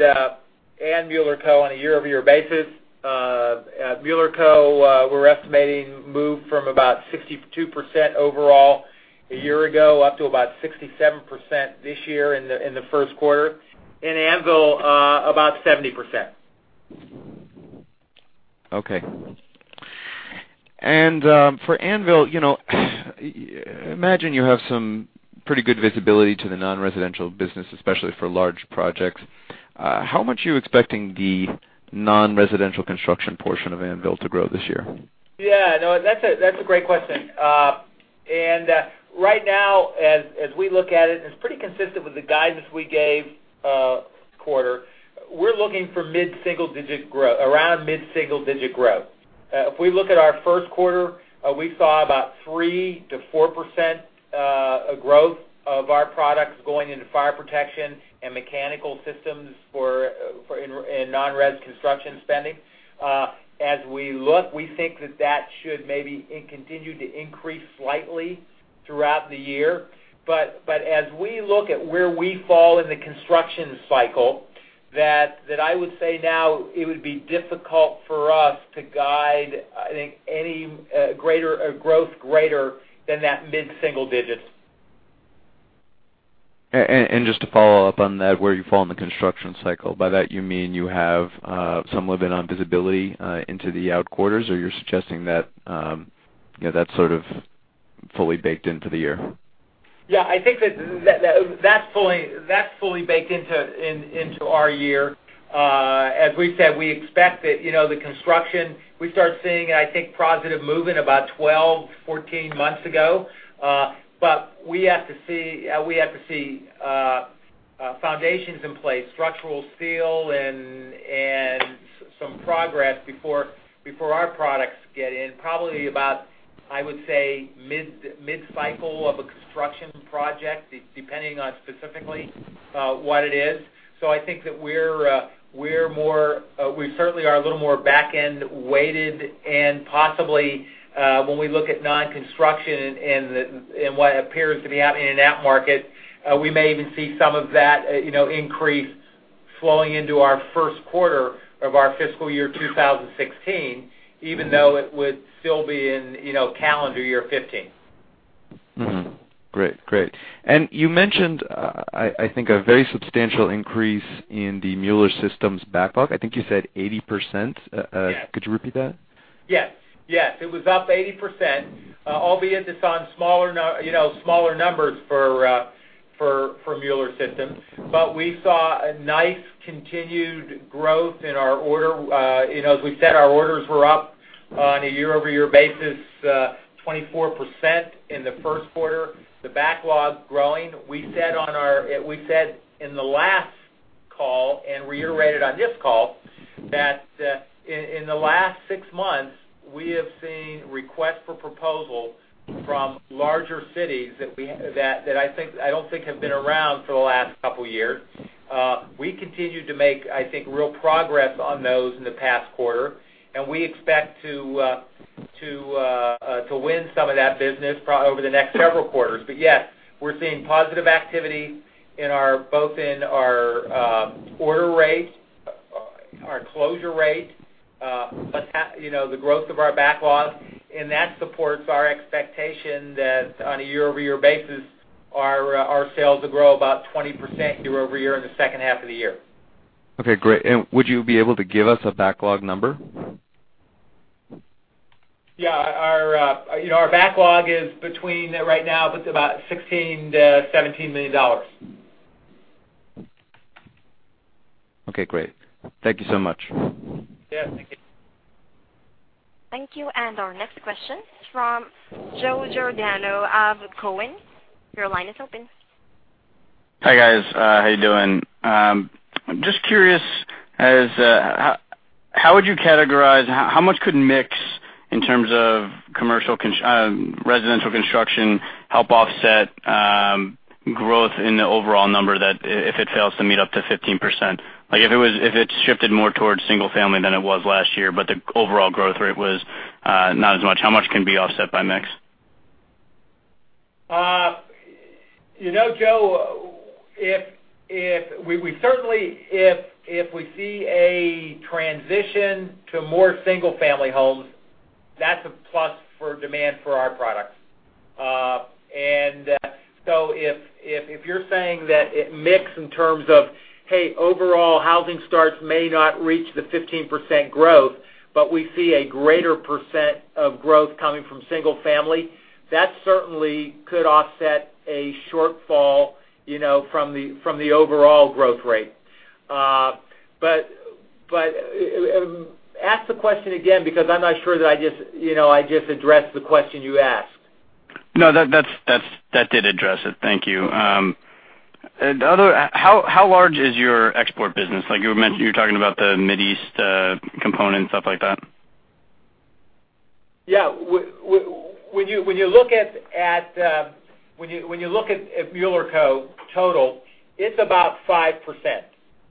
Mueller Co on a year-over-year basis. At Mueller Co, we're estimating move from about 62% overall a year ago, up to about 67% this year in the first quarter. In Anvil, about 70%. Okay. For Anvil, imagine you have some pretty good visibility to the non-residential business, especially for large projects. How much are you expecting the non-residential construction portion of Anvil to grow this year? Yeah. No, that's a great question. Right now, as we look at it, and it's pretty consistent with the guidance we gave quarter, we're looking for around mid-single-digit growth. If we look at our first quarter, we saw about 3%-4% growth of our products going into fire protection and mechanical systems in non-res construction spending. As we look, we think that that should maybe continue to increase slightly throughout the year. As we look at where we fall in the construction cycle, that I would say now it would be difficult for us to guide, I think, any growth greater than that mid-single-digits. Just to follow up on that, where you fall in the construction cycle, by that you mean you have some limited visibility into the out quarters, or you're suggesting that sort of fully baked into the year? Yeah, I think that's fully baked into our year. As we've said, we expect that the construction, we start seeing, I think, positive movement about 12-14 months ago. We have to see foundations in place, structural steel, and some progress before our products get in, probably about, I would say, mid-cycle of a construction project, depending on specifically what it is. I think that we certainly are a little more back-end weighted and possibly, when we look at non-construction and what appears to be an in and out market, we may even see some of that increase flowing into our first quarter of our fiscal year 2016, even though it would still be in calendar year 2015. Mm-hmm. Great. You mentioned, I think, a very substantial increase in the Mueller Systems backlog. I think you said 80%. Yes. Could you repeat that? Yes. It was up 80%, albeit it's on smaller numbers for Mueller Systems. We saw a nice continued growth in our order. As we said, our orders were up on a year-over-year basis, 24% in the first quarter, the backlog growing. We said in the last call, reiterated on this call, that in the last six months, we have seen requests for proposal from larger cities that I don't think have been around for the last couple of years. We continued to make, I think, real progress on those in the past quarter, we expect to win some of that business over the next several quarters. Yes, we're seeing positive activity both in our order rate, our closure rate, the growth of our backlog, and that supports our expectation that on a year-over-year basis, our sales will grow about 20% year-over-year in the second half of the year. Okay, great. Would you be able to give us a backlog number? Yeah. Our backlog is between right now about $16 million-$17 million. Okay, great. Thank you so much. Yeah, thank you. Thank you. Our next question from Joe Giordano of Cowen. Your line is open. Hi, guys. How you doing? Just curious, how would you categorize how much could mix in terms of residential construction help offset growth in the overall number that if it fails to meet up to 15%? If it shifted more towards single family than it was last year, but the overall growth rate was not as much, how much can be offset by mix? Joe, certainly if we see a transition to more single-family homes, that's a plus for demand for our products. If you're saying that it mix in terms of, hey, overall housing starts may not reach the 15% growth, but we see a greater percent of growth coming from single family, that certainly could offset a shortfall from the overall growth rate. Ask the question again, because I'm not sure that I just addressed the question you asked. No, that did address it. Thank you. How large is your export business? You were talking about the Mid East component, stuff like that. Yeah. When you look at Mueller Co total, it's about 5%.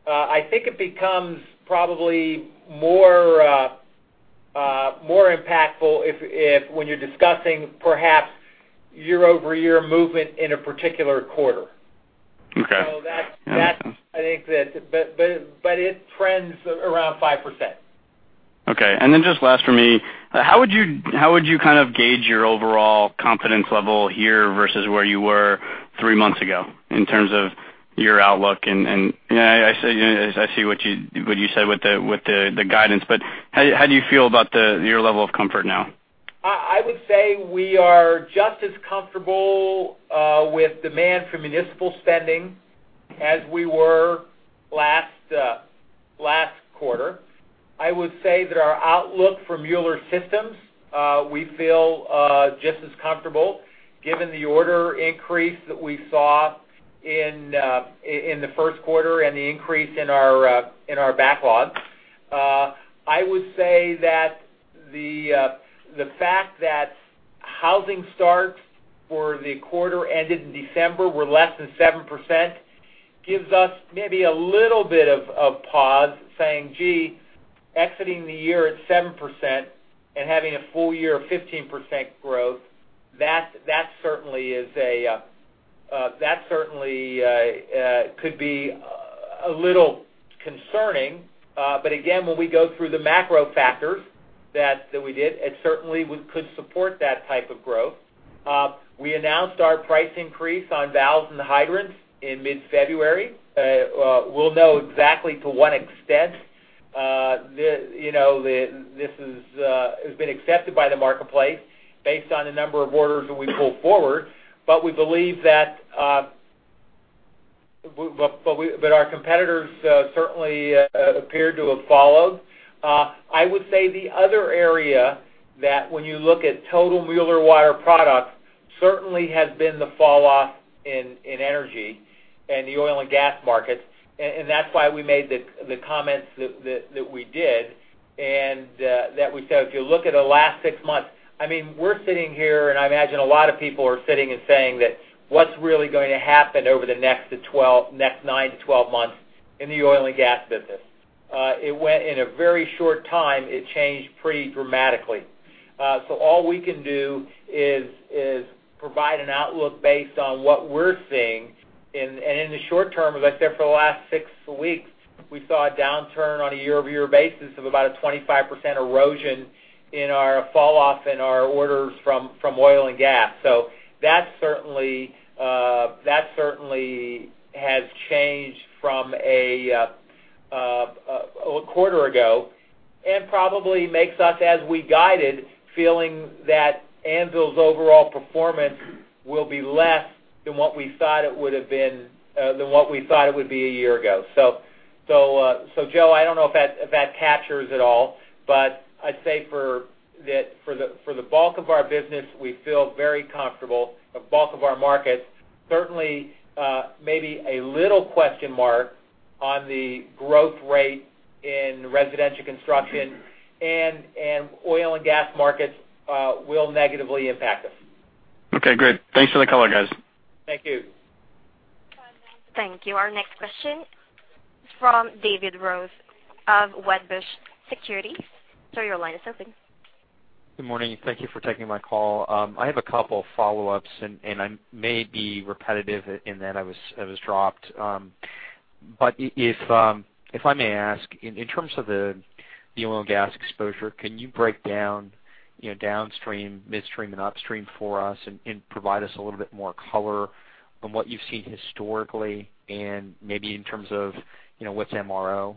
I think it becomes probably more impactful when you're discussing perhaps year-over-year movement in a particular quarter. Okay. That's, I think, but it trends around 5%. Okay. Just last for me, how would you kind of gauge your overall confidence level here versus where you were three months ago in terms of your outlook, and I see what you said with the guidance, but how do you feel about your level of comfort now? I would say we are just as comfortable with demand for municipal spending as we were last quarter. I would say that our outlook for Mueller Systems, we feel just as comfortable given the order increase that we saw in the first quarter and the increase in our backlog. I would say that the fact that housing starts for the quarter ended in December were less than 7%, gives us maybe a little bit of pause, saying, "Gee, exiting the year at 7% and having a full year of 15% growth, that certainly could be a little concerning." Again, when we go through the macro factors that we did, it certainly could support that type of growth. We announced our price increase on valves and hydrants in mid-February. We'll know exactly to what extent this has been accepted by the marketplace based on the number of orders that we pull forward, but we believe that our competitors certainly appear to have followed. I would say the other area that when you look at total Mueller Water Products, certainly has been the fall off in energy and the oil and gas markets. That's why we made the comments that we did. If you look at the last six months, we're sitting here, and I imagine a lot of people are sitting and saying that, "What's really going to happen over the next 9 to 12 months in the oil and gas business?" In a very short time, it changed pretty dramatically. All we can do is provide an outlook based on what we're seeing. In the short term, as I said, for the last six weeks, we saw a downturn on a year-over-year basis of about a 25% erosion in our falloff in our orders from oil and gas. That certainly has changed from a quarter ago and probably makes us, as we guided, feeling that Anvil's overall performance will be less than what we thought it would be a year ago. Joe, I don't know if that captures it all, but I'd say for the bulk of our business, we feel very comfortable, the bulk of our markets. Certainly, maybe a little question mark on the growth rate in residential construction, and oil and gas markets will negatively impact us. Okay, great. Thanks for the color, guys. Thank you. Thank you. Our next question, from David Rose of Wedbush Securities. Sir, your line is open. Good morning. Thank you for taking my call. I have a couple follow-ups, I may be repetitive in that I was dropped. If I may ask, in terms of the oil and gas exposure, can you break down downstream, midstream, and upstream for us and provide us a little bit more color on what you've seen historically and maybe in terms of what's MRO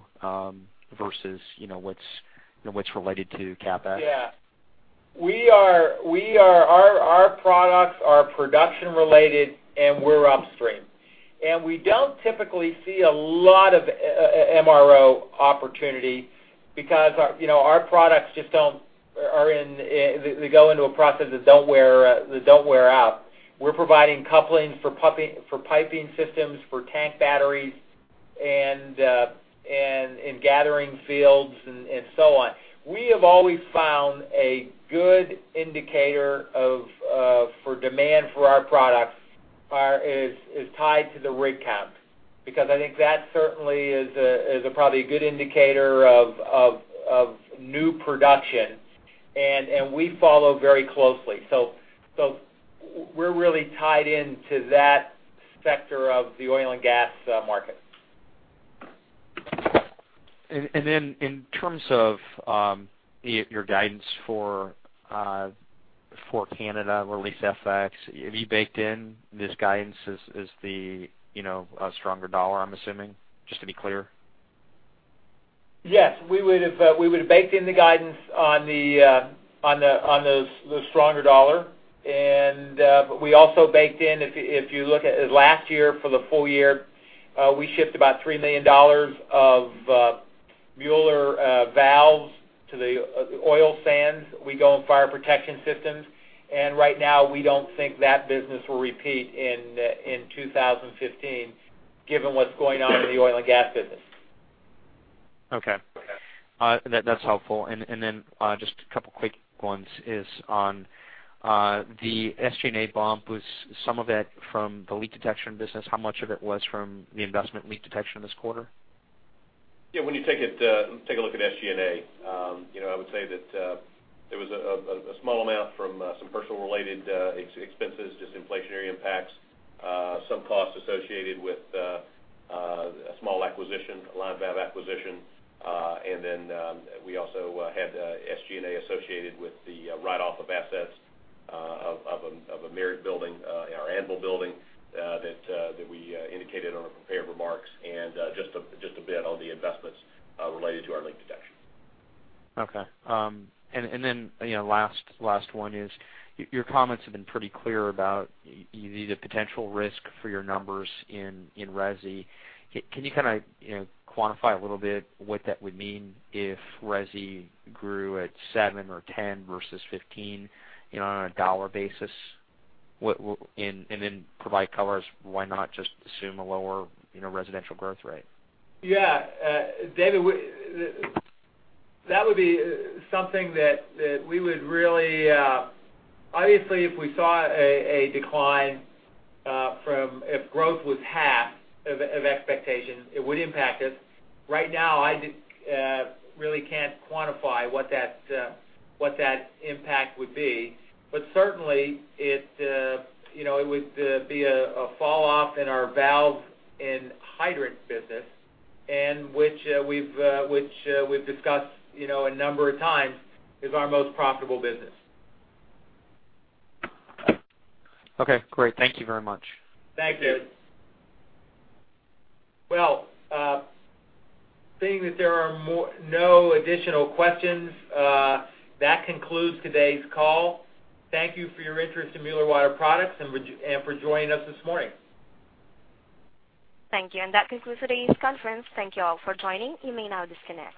versus what's related to CapEx? Yeah. Our products are production related, we're upstream. We don't typically see a lot of MRO opportunity because our products, they go into a process that don't wear out. We're providing couplings for piping systems, for tank batteries, and gathering fields and so on. We have always found a good indicator for demand for our products is tied to the rig count, because I think that certainly is a probably good indicator of new production. We follow very closely. We're really tied into that sector of the oil and gas market. In terms of your guidance for Canada or at least FX, have you baked in this guidance as the stronger dollar, I'm assuming? Just to be clear. Yes. We would have baked in the guidance on the stronger dollar. We also baked in, if you look at last year for the full year, we shipped about $3 million of Mueller valves to the oil sands. We go in fire protection systems. Right now, we don't think that business will repeat in 2015 given what's going on in the oil and gas business. Okay. That's helpful. Just a couple quick ones is on the SG&A bump, was some of it from the leak detection business? How much of it was from the investment leak detection this quarter? When you take a look at SG&A, I would say that there was a small amount from some person related expenses, just inflationary impacts, some costs associated with a small acquisition, a line valve acquisition, and we also had SG&A associated with the write-off of assets of a Merritt building, our Anvil building, that we indicated on the prepared remarks, and just a bit on the investments related to our leak detection. Okay. Last one is, your comments have been pretty clear about the potential risk for your numbers in resi. Can you quantify a little bit what that would mean if resi grew at 7% or 10% versus 15% on a dollar basis? Then provide color as why not just assume a lower residential growth rate. Yeah. David, obviously, if we saw a decline, if growth was half of expectations, it would impact us. Right now, I really can't quantify what that impact would be. Certainly, it would be a fall off in our valve and hydrant business, and which we've discussed a number of times, is our most profitable business. Okay, great. Thank you very much. Thank you. Well, seeing that there are no additional questions, that concludes today's call. Thank you for your interest in Mueller Water Products and for joining us this morning. Thank you, that concludes today's conference. Thank you all for joining. You may now disconnect.